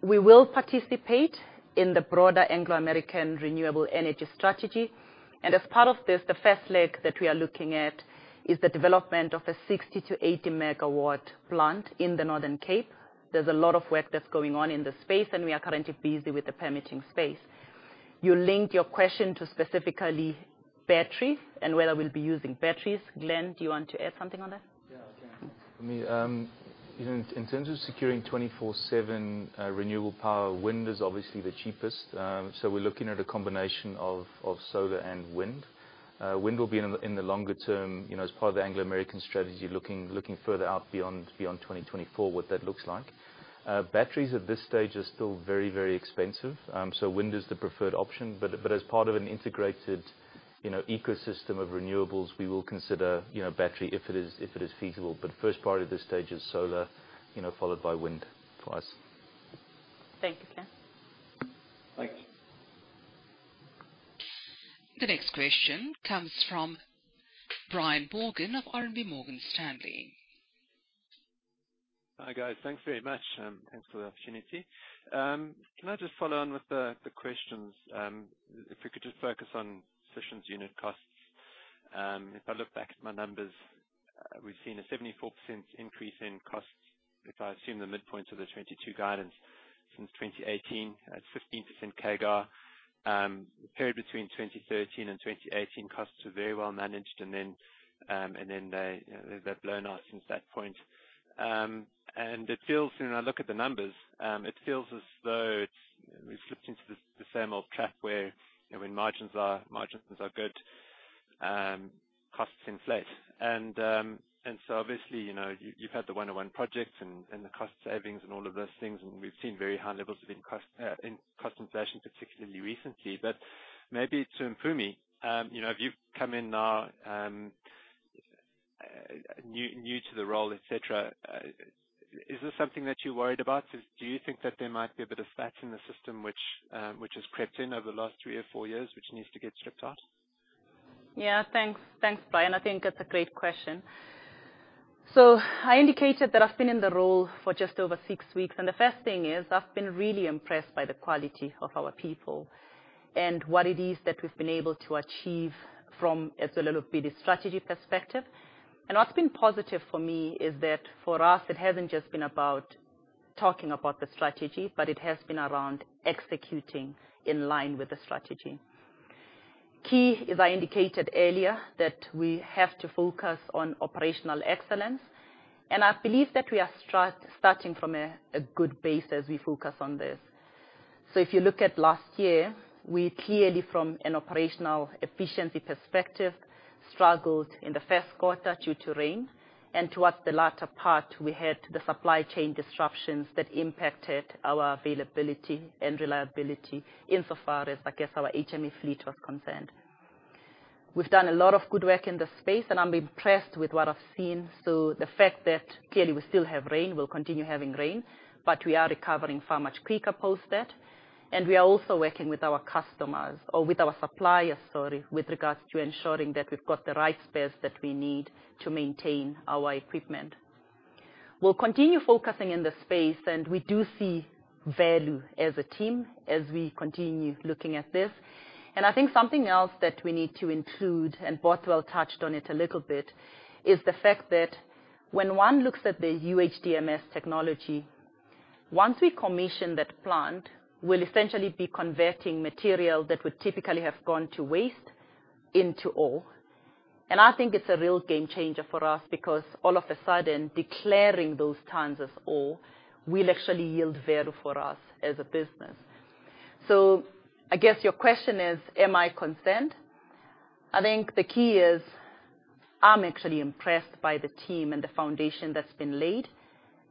We will participate in the broader Anglo American renewable energy strategy. As part of this, the first leg that we are looking at is the development of a 60-80 MW plant in the Northern Cape. There's a lot of work that's going on in the space, and we are currently busy with the permitting space. You linked your question to specifically batteries and whether we'll be using batteries. Glenn, do you want to add something on that? Yeah, I can. I mean, in terms of securing 24/7 renewable power, wind is obviously the cheapest. We're looking at a combination of solar and wind. Wind will be in the longer term, you know, as part of the Anglo American strategy, looking further out beyond 2024, what that looks like. Batteries at this stage are still very expensive. Wind is the preferred option. As part of an integrated, you know, ecosystem of renewables, we will consider, you know, battery if it is feasible. First part of this stage is solar, you know, followed by wind for us. Thank you, Glenn. Thank you. The next question comes from Brian Morgan of RMB Morgan Stanley. Hi, guys. Thanks very much. Thanks for the opportunity. Can I just follow on with the questions if we could just focus on Sishen's unit costs. If I look back at my numbers, we've seen a 74% increase in costs if I assume the midpoint of the 2022 guidance since 2018 at 15% CAGR. The period between 2013 and 2018, costs were very well managed. You know, there's that blow-out since that point. It feels, you know, I look at the numbers, it feels as though we've slipped into the same old trap where, you know, when margins are good, costs inflate. Obviously, you know, you've had the one-on-one projects and the cost savings and all of those things, and we've seen very high levels of input cost inflation, particularly recently. Maybe to Mpumi, you know, if you've come in now, new to the role, et cetera, is this something that you're worried about? Do you think that there might be a bit of fat in the system which has crept in over the last three or four years, which needs to get stripped out? Yeah, thanks. Thanks, Brian. I think that's a great question. I indicated that I've been in the role for just over six weeks, and the first thing is I've been really impressed by the quality of our people and what it is that we've been able to achieve from a Tswelelopele strategy perspective. What's been positive for me is that for us, it hasn't just been about talking about the strategy, but it has been around executing in line with the strategy. Key, as I indicated earlier, is that we have to focus on operational excellence, and I believe that we are starting from a good base as we focus on this. If you look at last year, we clearly, from an operational efficiency perspective, struggled in the first quarter due to rain, and towards the latter part, we had the supply chain disruptions that impacted our availability and reliability, insofar as, I guess, our HME fleet was concerned. We've done a lot of good work in this space, and I'm impressed with what I've seen. The fact that clearly we still have rain, we'll continue having rain, but we are recovering far much quicker post that. We are also working with our customers or with our suppliers, sorry, with regards to ensuring that we've got the right space that we need to maintain our equipment. We'll continue focusing in this space, and we do see value as a team as we continue looking at this. I think something else that we need to include, and Bosso touched on it a little bit, is the fact that when one looks at the UHDMS technology, once we commission that plant, we'll essentially be converting material that would typically have gone to waste into ore. I think it's a real game-changer for us because all of a sudden, declaring those tons as ore will actually yield value for us as a business. I guess your question is, am I concerned? I think the key is I'm actually impressed by the team and the foundation that's been laid,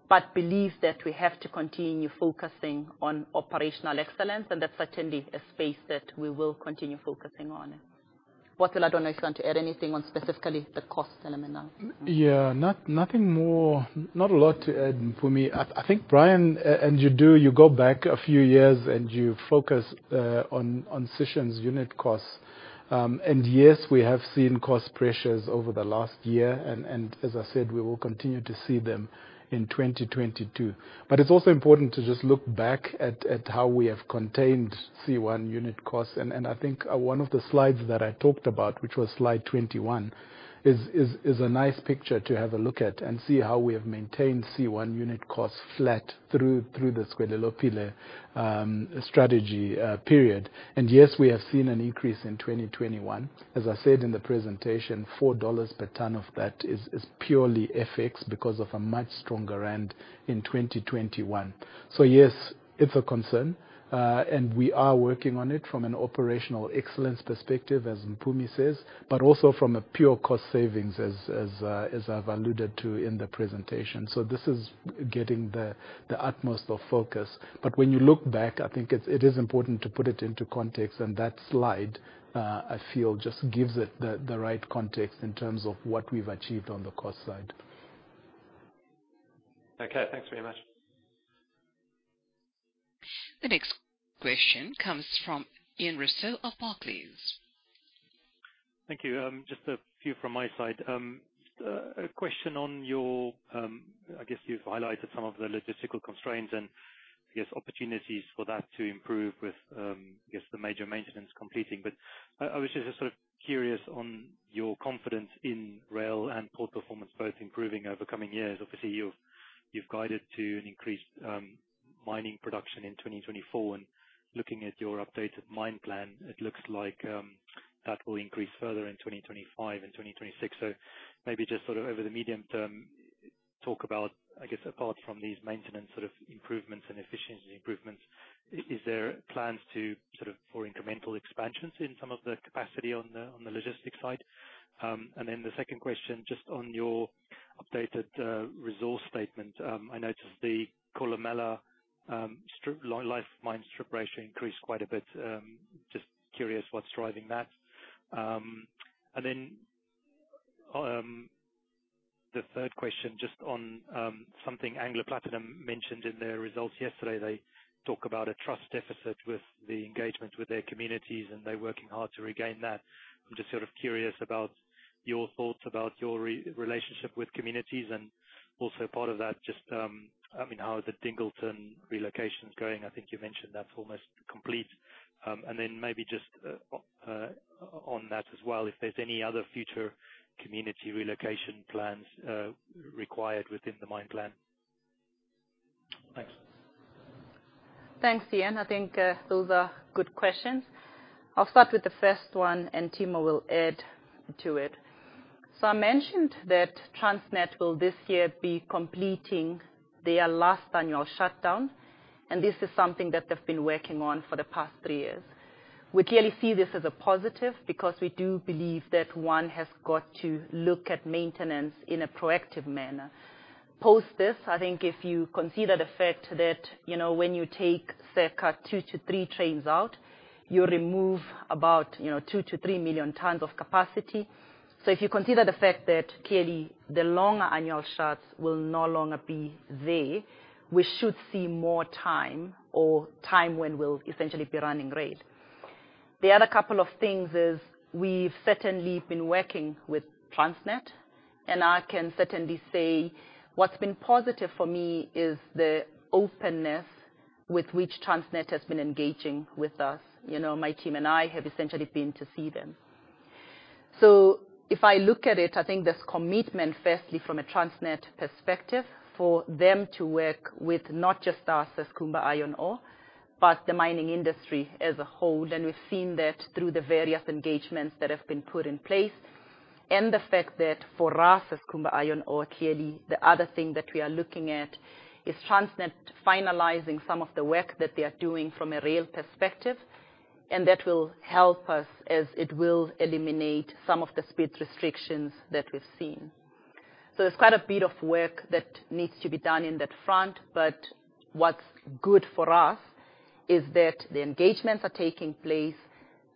but believe that we have to continue focusing on operational excellence, and that's certainly a space that we will continue focusing on. Bosso, I don't know if you want to add anything on, specifically the cost element, now. Yeah. Nothing more. Not a lot to add, Mpumi. I think, Brian, and you do. You go back a few years, and you focus on Sishen's unit costs. Yes, we have seen cost pressures over the last year. As I said, we will continue to see them in 2022. It's also important to just look back at how we have contained C1 unit costs. I think one of the slides that I talked about, which was slide 21, is a nice picture to have a look at and see how we have maintained C1 unit costs flat through the Tswelelopele strategy period. Yes, we have seen an increase in 2021. As I said in the presentation, $4 per ton of that is purely FX because of a much stronger rand in 2021. Yes, it's a concern, and we are working on it from an operational excellence perspective, as Mpumi says, but also from a pure cost savings as I've alluded to in the presentation. This is getting the utmost of focus. When you look back, I think it is important to put it into context. That slide, I feel, just gives it the right context in terms of what we've achieved on the cost side. Okay. Thanks very much. The next question comes from Ian Rossouw of Barclays. Thank you. Just a few from my side. A question on your. I guess you've highlighted some of the logistical constraints and, I guess, opportunities for that to improve with, I guess, the major maintenance completing. I was just sort of curious on your confidence in rail and port performance both improving over coming years. Obviously, you've guided to an increased mining production in 2024, and looking at your updated mine plan, it looks like that will increase further in 2025 and 2026. Maybe just sort of over the medium term, talk about, I guess, apart from these maintenance sort of improvements and efficiency improvements, are there plans to sort of for incremental expansions in some of the capacity on the logistics side? The second question, just on your updated resource statement. I noticed the Kolomela strip life mine strip ratio increased quite a bit. Just curious what's driving that. The third question, just on something Anglo American Platinum mentioned in their results yesterday. They talk about a trust deficit with the engagement with their communities, and they're working hard to regain that. I'm just sort of curious about your relationship with communities, and also part of that, just I mean how is the Dingleton relocation going? I think you mentioned that's almost complete. Maybe just on that as well, if there's any other future community relocation plans required within the mine plan. Thanks. Thanks, Ian. I think those are good questions. I'll start with the first one, and Timo will add to it. I mentioned that Transnet will this year be completing their last annual shutdown, and this is something that they've been working on for the past three years. We clearly see this as a positive, because we do believe that one has got to look at maintenance in a proactive manner. Post this, I think if you consider the fact that, you know, when you take circa 2-3 trains out, you remove about, you know, 2-3 million tons of capacity. If you consider the fact that clearly the longer annual shutdowns will no longer be there, we should see more time, or time when we'll essentially be running great. The other couple of things are we've certainly been working with Transnet, and I can certainly say what's been positive for me is the openness with which Transnet has been engaging with us. You know, my team and I have essentially been to see them. If I look at it, I think there's commitment, firstly, from a Transnet perspective, for them to work with not just us as Kumba Iron Ore, but the mining industry as a whole, and we've seen that through the various engagements that have been put in place. The fact that for us, as Kumba Iron Ore, clearly the other thing that we are looking at is Transnet finalizing some of the work that they are doing from a rail perspective, and that will help us as it will eliminate some of the speed restrictions that we've seen. There's quite a bit of work that needs to be done in that front. What's good for us is that the engagements are taking place.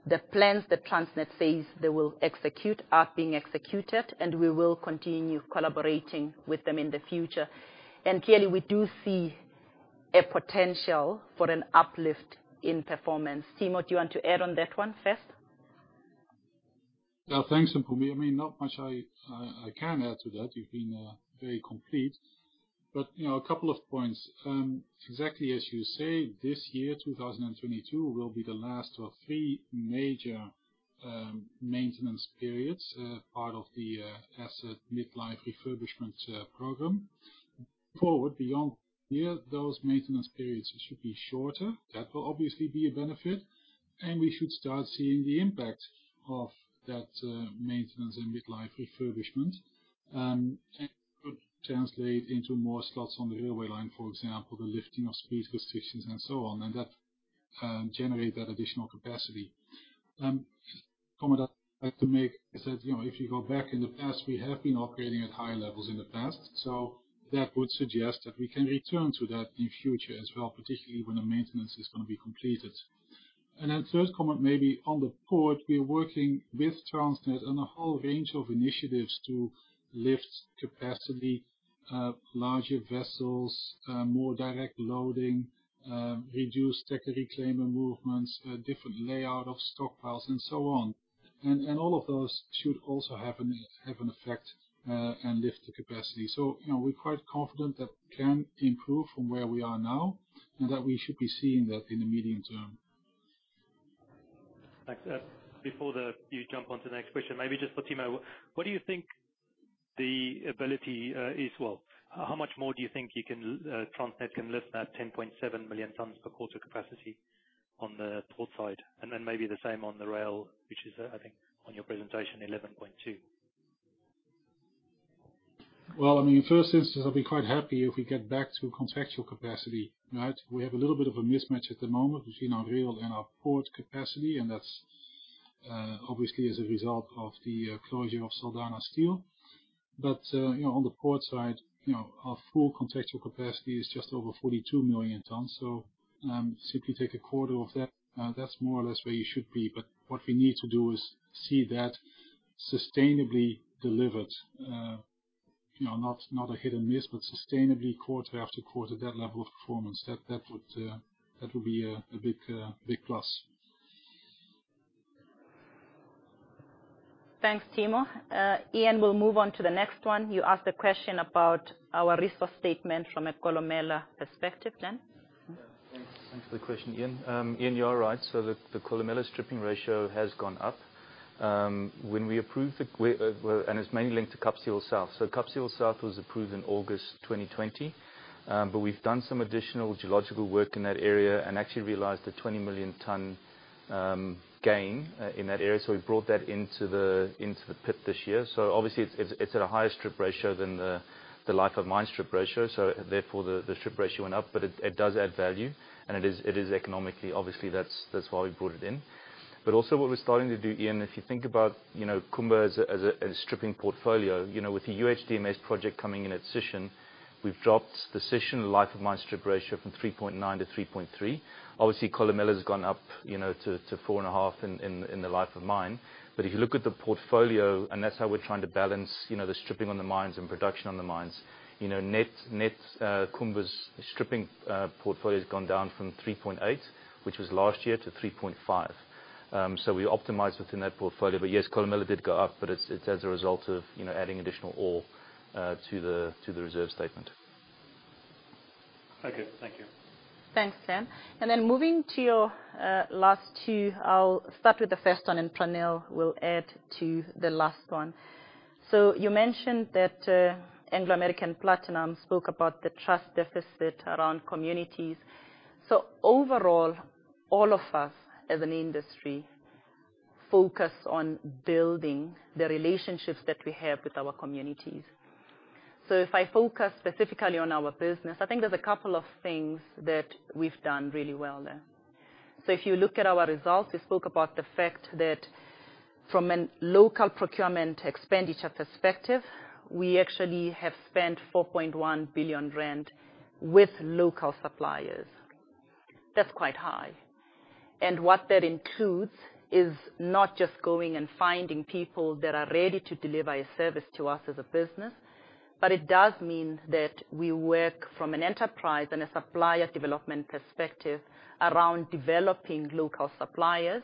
The plans that Transnet says they will execute are being executed, and we will continue collaborating with them in the future. Clearly, we do see a potential for an uplift in performance. Timo, do you want to add on that one first? Yeah. Thanks, Mpumi. I mean, not much I can add to that. You've been very complete. You know, a couple of points. Exactly as you say, this year, 2022, will be the last of three major maintenance periods, part of the asset midlife refurbishment program. Forward beyond here, those maintenance periods should be shorter. That will obviously be a benefit, and we should start seeing the impact of that maintenance and midlife refurbishment and could translate into more slots on the railway line, for example, the lifting of speed restrictions and so on. That generate that additional capacity. A comment I have to make is that, you know, if you go back in the past, we have been operating at high levels in the past, so that would suggest that we can return to that in future as well, particularly when the maintenance is gonna be completed. Then third comment maybe on the port, we're working with Transnet on a whole range of initiatives to lift capacity, larger vessels, more direct loading, reduce tether reclaimer movements, a different layout of stockpiles, and so on. And all of those should also have an effect and lift the capacity. You know, we're quite confident that can improve from where we are now and that we should be seeing that in the medium term. Thanks. Before you jump on to the next question, maybe just for Timo, well, how much more do you think Transnet can lift that 10.7 million tons per quarter capacity on the port side. Then maybe the same on the rail, which is, I think on your presentation, 11.2. Well, I mean, in first instance, I'll be quite happy if we get back to contractual capacity, right? We have a little bit of a mismatch at the moment between our rail and our port capacity, and that's obviously as a result of the closure of Saldanha Steel. You know, on the port side, you know, our full contractual capacity is just over 42 million tons. Simply take a quarter of that's more or less where you should be. What we need to do is see that sustainably delivered. You know, not a hit and miss, but sustainably quarter after quarter, that level of performance. That would be a big plus. Thanks, Timo. Ian, we'll move on to the next one. You asked a question about our resource statement from a Kolomela perspective. Glenn? Thanks for the question, Ian. Ian, you are right. The Kolomela stripping ratio has gone up. It's mainly linked to Kapstevel South. Kapstevel South was approved in August 2020, but we've done some additional geological work in that area and actually realized a 20 million ton gain in that area, so we've brought that into the pit this year. Obviously it's at a higher strip ratio than the life of mine strip ratio, so therefore the strip ratio went up. But it does add value, and it is economically. Obviously, that's why we brought it in. Also what we're starting to do, Ian, if you think about, you know, Kumba as a stripping portfolio, you know, with the UHDMS project coming in at Sishen, we've dropped the Sishen life of mine strip ratio from 3.9 to 3.3. Obviously, Kolomela's gone up, you know, to 4.5 in the life of mine. If you look at the portfolio, and that's how we're trying to balance, you know, the stripping on the mines and production on the mines. You know, net, Kumba's stripping portfolio has gone down from 3.8, which was last year, to 3.5. So we optimize within that portfolio. Yes, Kolomela did go up, but it's as a result of, you know, adding additional ore to the reserve statement. Okay. Thank you. Thanks, Glenn. Then moving to your last two, I'll start with the first one, and Pranill will add to the last one. You mentioned that Anglo American Platinum spoke about the trust deficit around communities. Overall, all of us as an industry focus on building the relationships that we have with our communities. If I focus specifically on our business, I think there's a couple of things that we've done really well there. If you look at our results, we spoke about the fact that from a local procurement expenditure perspective, we actually have spent 4.1 billion rand with local suppliers. That's quite high. What that includes is not just going and finding people that are ready to deliver a service to us as a business, but it does mean that we work from an enterprise and a supplier development perspective around developing local suppliers.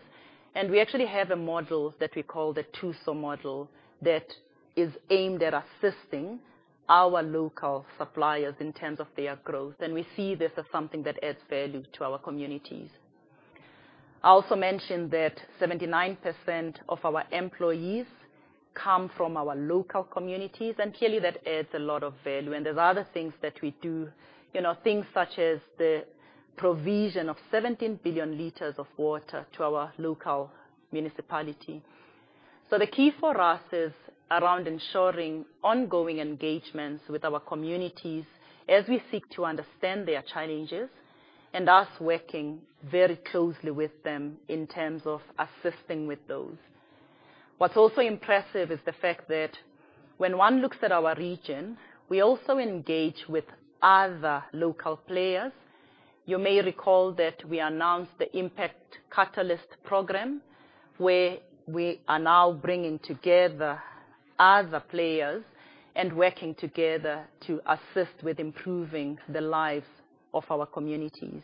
We actually have a model that we call the Tswelelopele model that is aimed at assisting our local suppliers in terms of their growth. We see this as something that adds value to our communities. I also mentioned that 79% of our employees come from our local communities, and clearly, that adds a lot of value. There's other things that we do, you know, things such as the provision of 17 billion liters of water to our local municipality. The key for us is around ensuring ongoing engagements with our communities as we seek to understand their challenges and us working very closely with them in terms of assisting with those. What's also impressive is the fact that when one looks at our region, we also engage with other local players. You may recall that we announced the Impact Catalyst program, where we are now bringing together other players and working together to assist with improving the lives of our communities.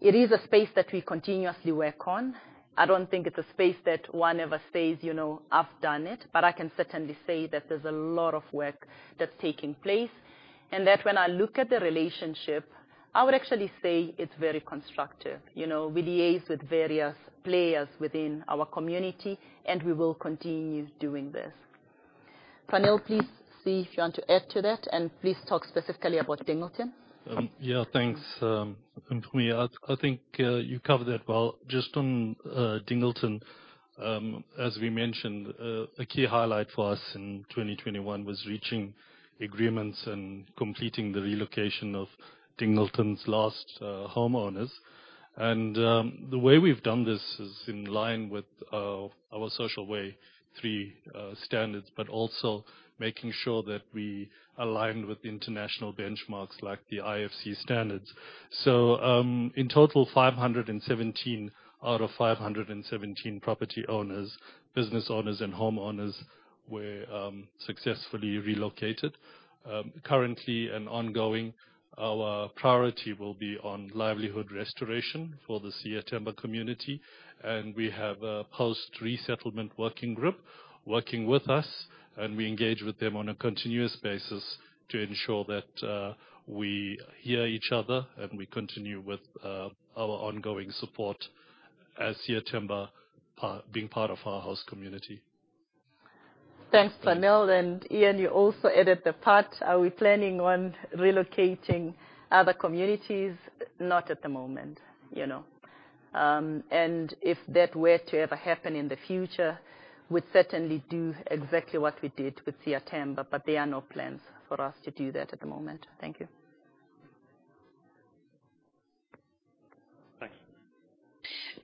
It is a space that we continuously work on. I don't think it's a space that one ever stays, you know, I've done it, but I can certainly say that there's a lot of work that's taking place, and that when I look at the relationship, I would actually say it's very constructive. You know, we liaise with various players within our community, and we will continue doing this. Pranill, please see if you want to add to that, and please talk specifically about Dingleton. Yeah, thanks, Mpumi Zikalala. I think you covered that well. Just on Dingleton, as we mentioned, a key highlight for us in 2021 was reaching agreements and completing the relocation of Dingleton's last homeowners. The way we've done this is in line with our Social Way 3 standards, but also making sure that we aligned with international benchmarks like the IFC standards. In total, 517 out of 517 property owners, business owners, and homeowners were successfully relocated. Currently and ongoing, our priority will be on livelihood restoration for the Siyathemba community, and we have a post-resettlement working group working with us, and we engage with them on a continuous basis to ensure that we hear each other and we continue with our ongoing support as Siyathemba being part of our host community. Thanks, Pranill. Ian, you also added the part, are we planning on relocating other communities? Not at the moment, you know. If that were to ever happen in the future, we'd certainly do exactly what we did with Siyathemba, but there are no plans for us to do that at the moment. Thank you. Thanks.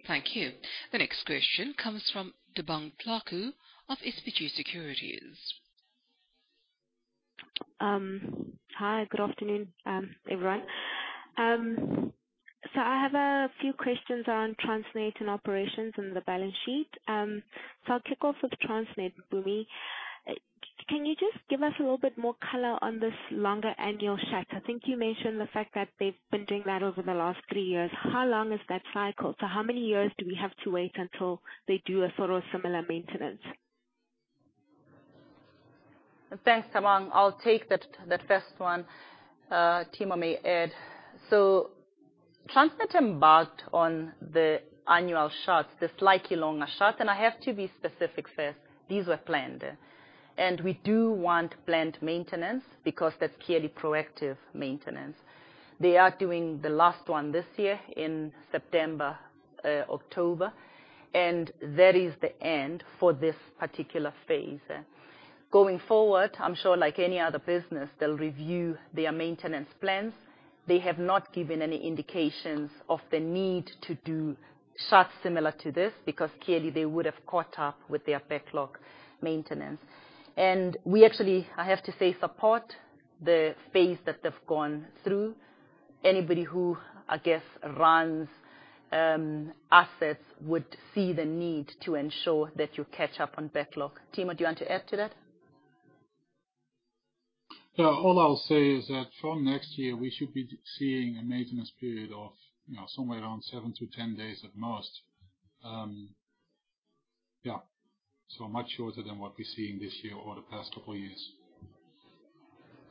Thank you. The next question comes from Thabang Thlaku of SBG Securities. Hi, good afternoon, everyone. I have a few questions on Transnet and operations and the balance sheet. I'll kick off with Transnet, Boomie. Can you just give us a little bit more color on this longer annual shut? I think you mentioned the fact that they've been doing that over the last three years. How long is that cycle? How many years do we have to wait until they do a sort of similar maintenance? Thanks, Thabang. I'll take that first one. Timo may add. Transnet embarked on the annual shuts, the slightly longer shutdown, and I have to be specific first. These were planned. We do want planned maintenance because that's clearly proactive maintenance. They are doing the last one this year in September, October, and that is the end for this particular phase. Going forward, I'm sure like any other business, they'll review their maintenance plans. They have not given any indications of the need to do shuts similar to this, because clearly they would have caught up with their backlog maintenance. We actually, I have to say, support the phase that they've gone through. Anybody who, I guess, runs assets would see the need to ensure that you catch up on backlog. Timo, do you want to add to that? Yeah. All I'll say is that from next year, we should be seeing a maintenance period of, you know, somewhere around 7-10 days at most. Yeah. Much shorter than what we're seeing this year or the past couple years.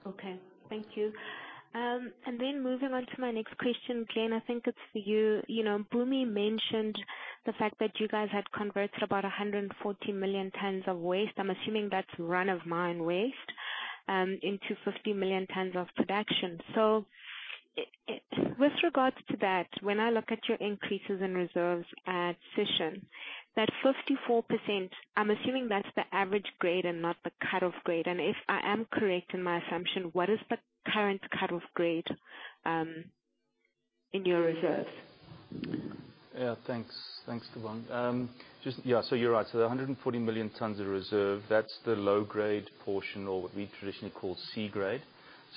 Okay. Thank you. Moving on to my next question, Jane, I think it's for you. You know, Boomie mentioned the fact that you guys had converted about 140 million tons of waste. I'm assuming that's run-of-mine waste into 50 million tons of production. With regards to that, when I look at your increases in reserves at Sishen, that 54%, I'm assuming that's the average grade and not the cut-off grade. If I am correct in my assumption, what is the current cut-off grade in your reserves? Yeah, thanks. Thanks, Thabang. You're right. The 140 million tons of reserve, that's the low-grade portion or what we traditionally call C grade.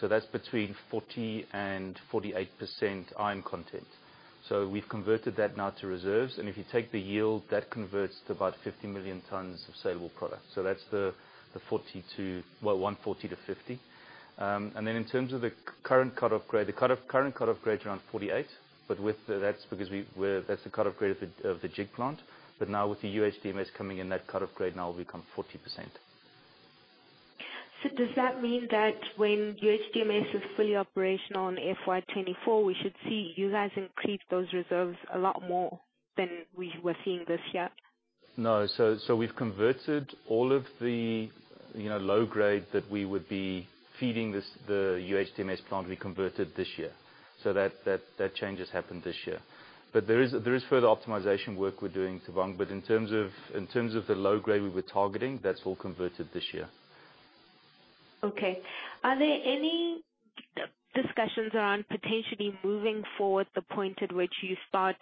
That's between 40% and 48% iron content. We've converted that now to reserves, and if you take the yield, that converts to about 50 million tons of saleable product. That's the 140 to 50. And then in terms of the current cut-off grade, the current cut-off grades around 48, but that's because we're, that's the cut-off grade of the jig plant. Now with the UHDMS coming in, that cut-off grade now will become 40%. Does that mean that when UHDMS is fully operational in FY 2024, we should see you guys increase those reserves a lot more than we were seeing this year? No. We've converted all of the, you know, low grade that we would be feeding this, the UHDMS plant this year. That change has happened this year. There is further optimization work we're doing, Thabang. In terms of the low grade we were targeting, that's all converted this year. Okay. Are there any discussions around potentially moving forward the point at which you start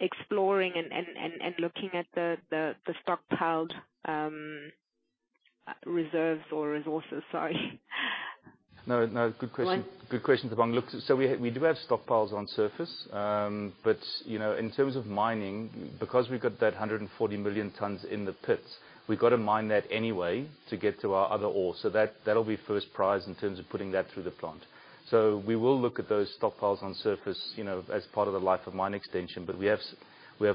exploring and looking at the stockpiled reserves or resources? Sorry. No, no. Good question. Go on. Good question, Thabang. Look, we do have stockpiles on surface. But you know, in terms of mining, because we've got that 140 million tons in the pits, we've got to mine that anyway to get to our other ore. So that'll be first prize in terms of putting that through the plant. So we will look at those stockpiles on surface, you know, as part of the life of mine extension. But we have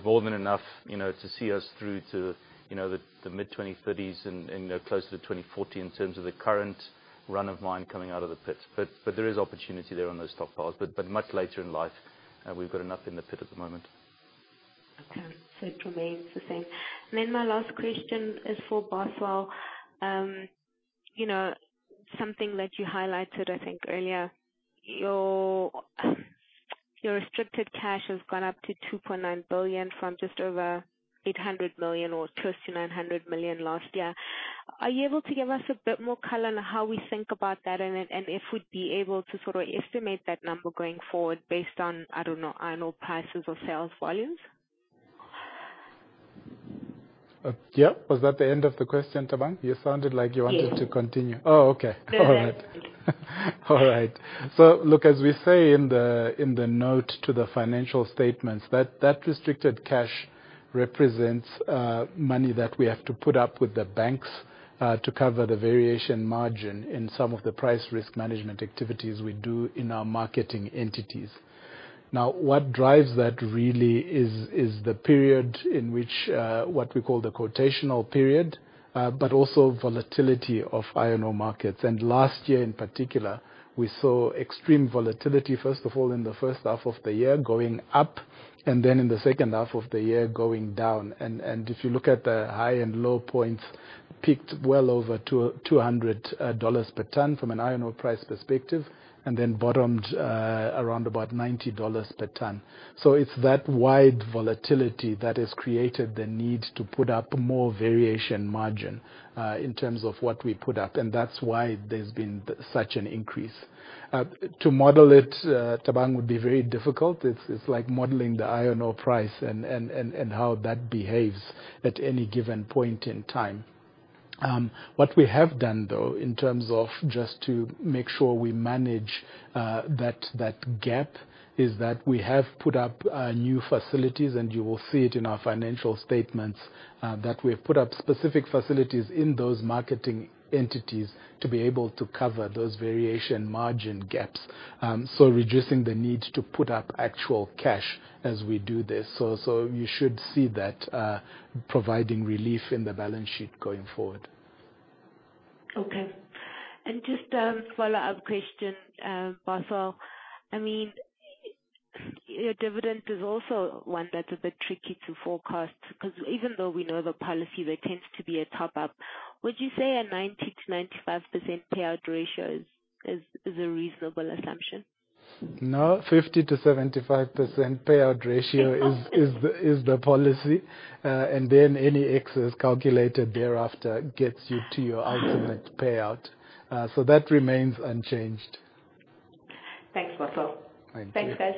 more than enough, you know, to see us through to, you know, the mid-2030s and, you know, closer to 2040 in terms of the current run of mine coming out of the pits. But there is opportunity there on those stockpiles, but much later in life. We've got enough in the pit at the moment. Okay. It remains the same. My last question is for Bosso. You know, something that you highlighted, I think earlier, your restricted cash has gone up to 2.9 billion from just over 800 million or close to 900 million last year. Are you able to give us a bit more color on how we think about that and if we'd be able to sort of estimate that number going forward based on, I don't know, iron ore prices or sales volumes? Yeah. Was that the end of the question, Thabang? You sounded like you wanted to continue. Yeah. Okay. All right. Look, as we say in the note to the financial statements, that restricted cash represents money that we have to put up with the banks to cover the variation margin in some of the price risk management activities we do in our marketing entities. Now, what drives that really is the period in which what we call the quotational period, but also volatility of iron ore markets. Last year in particular, we saw extreme volatility, first of all, in the first half of the year going up, and then in the second half of the year, going down. If you look at the high and low points, peaked well over $200 per ton from an iron ore price perspective, and then bottomed around about $90 per ton. It's that wide volatility that has created the need to put up more variation margin in terms of what we put up, and that's why there's been such an increase. To model it, Thabang, would be very difficult. It's like modeling the iron ore price and how that behaves at any given point in time. What we have done, though, in terms of just to make sure we manage that gap, is that we have put up new facilities, and you will see it in our financial statements that we have put up specific facilities in those marketing entities to be able to cover those variation margin gaps, so reducing the need to put up actual cash as we do this. You should see that providing relief in the balance sheet going forward. Okay. Just a follow-up question, Bothwell. I mean, your dividend is also one that's a bit tricky to forecast, 'cause even though we know the policy, there tends to be a top-up. Would you say a 90%-95% payout ratio is a reasonable assumption? No. 50%-75% payout ratio. Okay. This is the policy. Any excess calculated thereafter gets you to your ultimate payout. That remains unchanged. Thanks, Bosso. Thank you. Thanks, guys.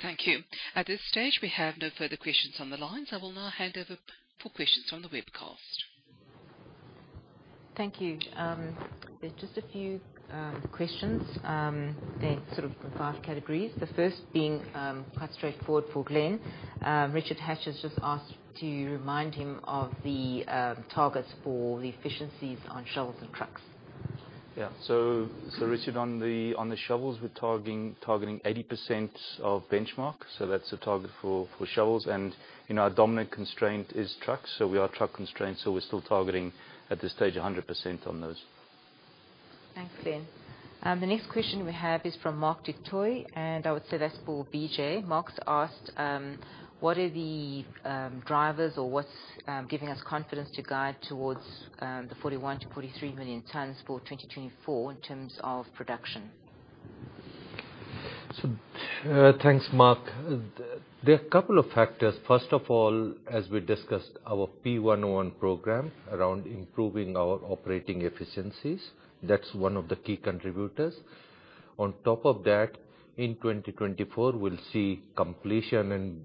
Thank you. At this stage, we have no further questions on the line, so I will now hand over for questions from the webcast. Thank you. There's just a few questions. They're sort of in five categories. The first being quite straightforward for Glenn. Richard Hatch has just asked to remind him of the targets for the efficiencies on shovels and trucks. Yeah. Richard, on the shovels, we're targeting 80% of the benchmark. That's the target for shovels. You know, our dominant constraint is trucks. We are truck-constrained, so we're still targeting, at this stage, 100% on those. Thanks, Glenn. The next question we have is from Mark Du Toit, and I would say that's for Vijay. Mark's asked, what are the drivers or what's giving us confidence to guide towards the 41-43 million tons for 2024 in terms of production? Thanks, Mark. There are a couple of factors. First of all, as we discussed, our P101 program around improving our operating efficiencies. That's one of the key contributors. On top of that, in 2024 we'll see completion and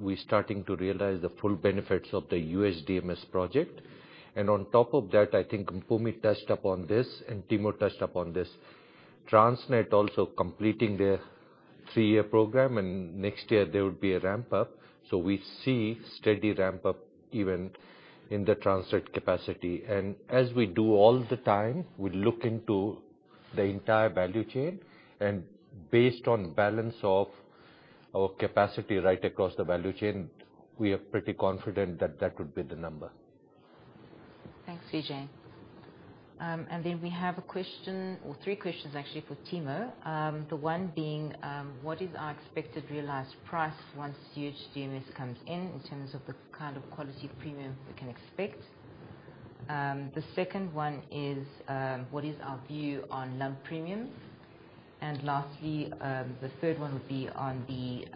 we're starting to realize the full benefits of the UHDMS project. I think Mpumi touched upon this and Timo touched upon this. Transnet also completing their three-year program, and next year there will be a ramp up. We see steady ramp up even in the Transnet capacity. As we do all the time, we look into the entire value chain. Based on balance of our capacity right across the value chain, we are pretty confident that that would be the number. Thanks, Vijay. We have a question or three questions actually for Timo. The one being, what is our expected realized price once UHDMS comes in terms of the kind of quality premium we can expect? The second one is, what is our view on lump premium? Lastly, the third one would be on the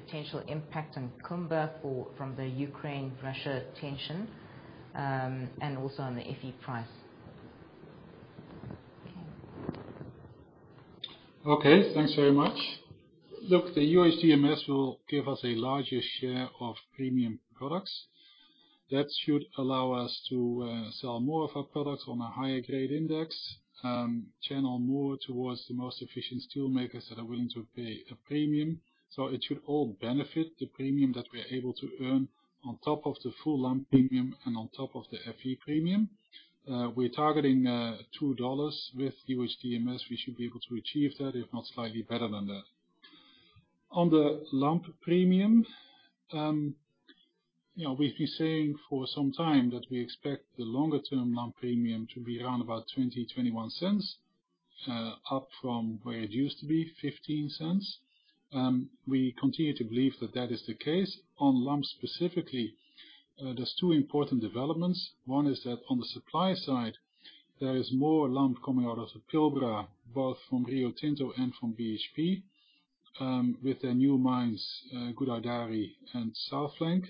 potential impact on Kumba from the Ukraine-Russia tension, and also on the FE price. Okay. Okay, thanks very much. Look, the UHDMS will give us a larger share of premium products that should allow us to sell more of our products on a higher-grade index, channel more towards the most efficient steel makers that are willing to pay a premium. It should all benefit the premium that we're able to earn on top of the full lump premium and on top of the FE premium. We're targeting $2 with UHDMS. We should be able to achieve that, if not slightly better than that. On the lump premium, you know, we've been saying for some time that we expect the longer-term lump premium to be around about $0.20-$0.21, up from where it used to be, $0.15. We continue to believe that that is the case. On lump specifically, there's two important developments. One is that on the supply side, there is more lump coming out of the Pilbara, both from Rio Tinto and from BHP, with their new mines, Gudai-Darri and South Flank.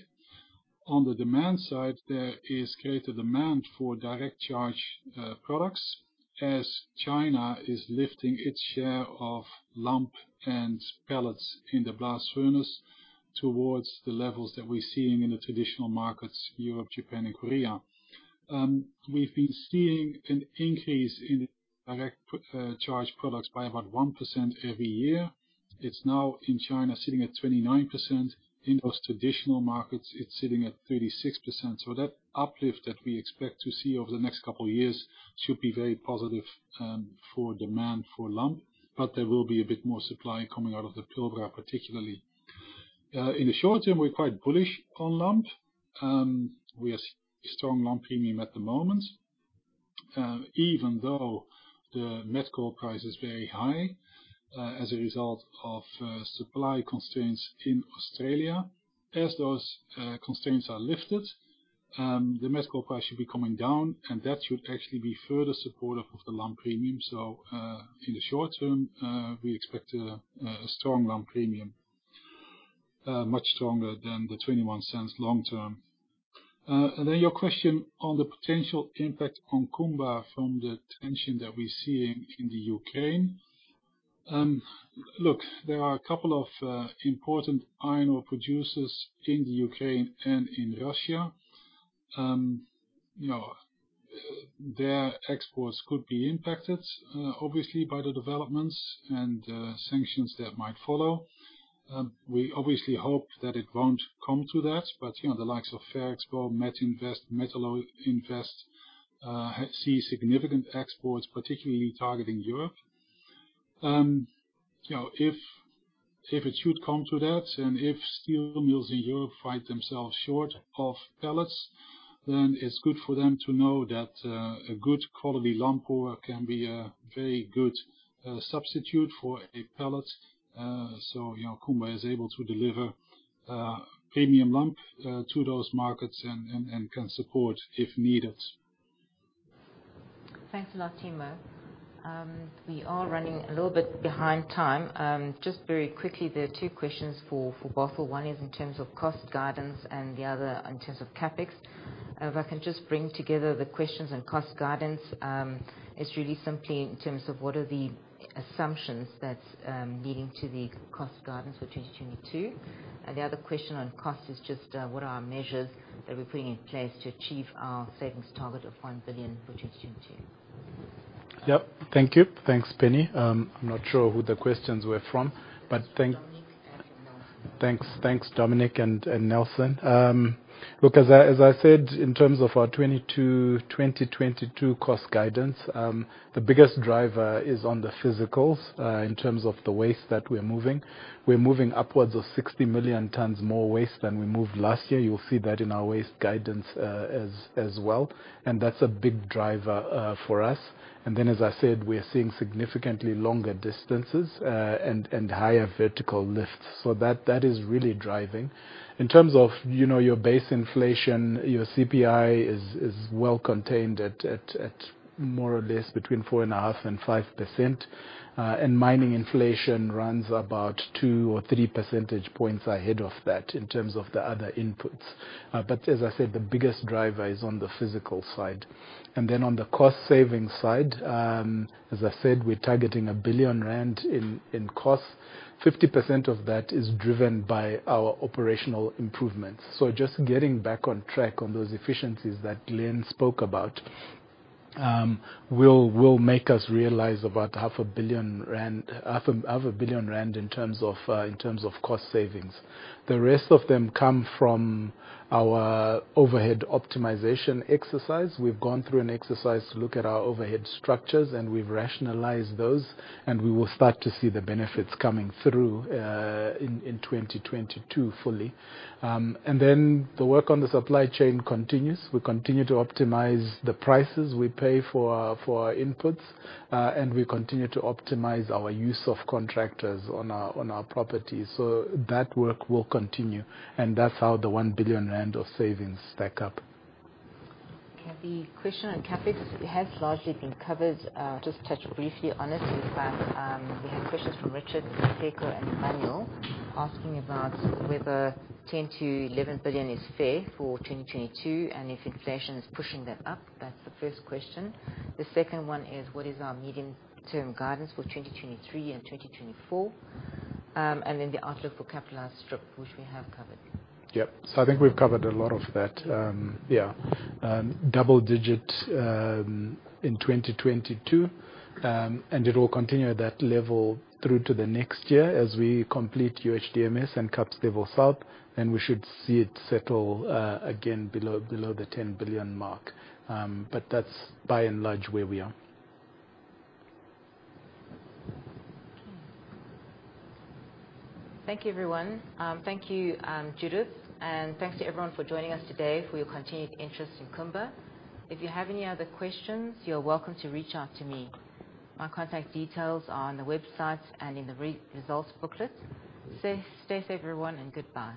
On the demand side, there is greater demand for direct charge products as China is lifting its share of lump and pellets in the blast furnace towards the levels that we're seeing in the traditional markets, Europe, Japan and Korea. We've been seeing an increase in direct charge products by about 1% every year. It's now in China, sitting at 29%. In those traditional markets, it's sitting at 36%. So that uplift that we expect to see over the next couple of years should be very positive for demand for lump. There will be a bit more supply coming out of the Pilbara, particularly. In the short term, we're quite bullish on lump. We have strong lump premium at the moment, even though the met coal price is very high, as a result of supply constraints in Australia. As those constraints are lifted, the met coal price should be coming down, and that should actually be further supportive of the lump premium. In the short term, we expect a strong lump premium, much stronger than the $0.21 long term. Your question on the potential impact on Kumba from the tension that we're seeing in the Ukraine. Look, there are a couple of important iron ore producers in the Ukraine and in Russia. You know, their exports could be impacted, obviously by the developments and sanctions that might follow. We obviously hope that it won't come to that, but you know, the likes of Ferrexpo, Metinvest, Metalloinvest have significant exports, particularly targeting Europe. You know, if it should come to that, and if steel mills in Europe find themselves short of pellets, then it's good for them to know that a good quality lump ore can be a very good substitute for a pellet. You know, Kumba is able to deliver premium lump to those markets and can support if needed. Thanks a lot, Timo. We are running a little bit behind time. Just very quickly, there are two questions for Bosso. One is in terms of cost guidance and the other in terms of CapEx. If I can just bring together the questions on cost guidance, it's really simply in terms of what are the assumptions that are leading to the cost guidance for 2022. The other question on cost is just what are our measures that we're putting in place to achieve our savings target of 1 billion for 2022. Thank you. Thanks, Penny. I'm not sure who the questions were from, but thanks. Thanks, Dominic and Nelson. Look, as I said, in terms of our 2022 cost guidance, the biggest driver is on the physicals, in terms of the waste that we're moving. We're moving upwards of 60 million tons more waste than we moved last year. You'll see that in our waste guidance, as well, and that's a big driver for us. As I said, we're seeing significantly longer distances and higher vertical lifts. That is really driving. In terms of your base inflation, your CPI is well contained at more or less between 4.5% and 5%. Mining inflation runs about 2 or 3 percentage points ahead of that in terms of the other inputs. As I said, the biggest driver is on the physical side. On the cost-saving side, as I said, we're targeting 1 billion rand in cost. 50% of that is driven by our operational improvements. Just getting back on track on those efficiencies that Glenn spoke about will make us realize about ZAR half a billion rand in terms of cost savings. The rest of them come from our overhead optimization exercise. We've gone through an exercise to look at our overhead structures, and we've rationalized those, and we will start to see the benefits coming through in 2022 fully. The work on the supply chain continues. We continue to optimize the prices we pay for our inputs, and we continue to optimize our use of contractors on our properties. That work will continue, and that's how the 1 billion rand of savings stack up. Okay. The question on CapEx has largely been covered. I'll just touch briefly on it. In fact, we have questions from Richard, Tiego, and Emmanuel asking about whether 10 billion-11 billion is fair for 2022 and if inflation is pushing that up. That's the first question. The second one is what our medium-term guidance is for 2023 and 2024, and then the outlook for capitalized strip, which we have covered. Yep. I think we've covered a lot of that. Double digits in 2022, and it will continue at that level through to the next year as we complete UHDMS and Kapstevel South, and we should see it settle again below 10 billion. That's by and large where we are. Thank you, everyone. Thank you, Judith, and thanks to everyone for joining us today, for your continued interest in Kumba. If you have any other questions, you're welcome to reach out to me. My contact details are on the website and in the results booklet. Stay safe, everyone, and goodbye.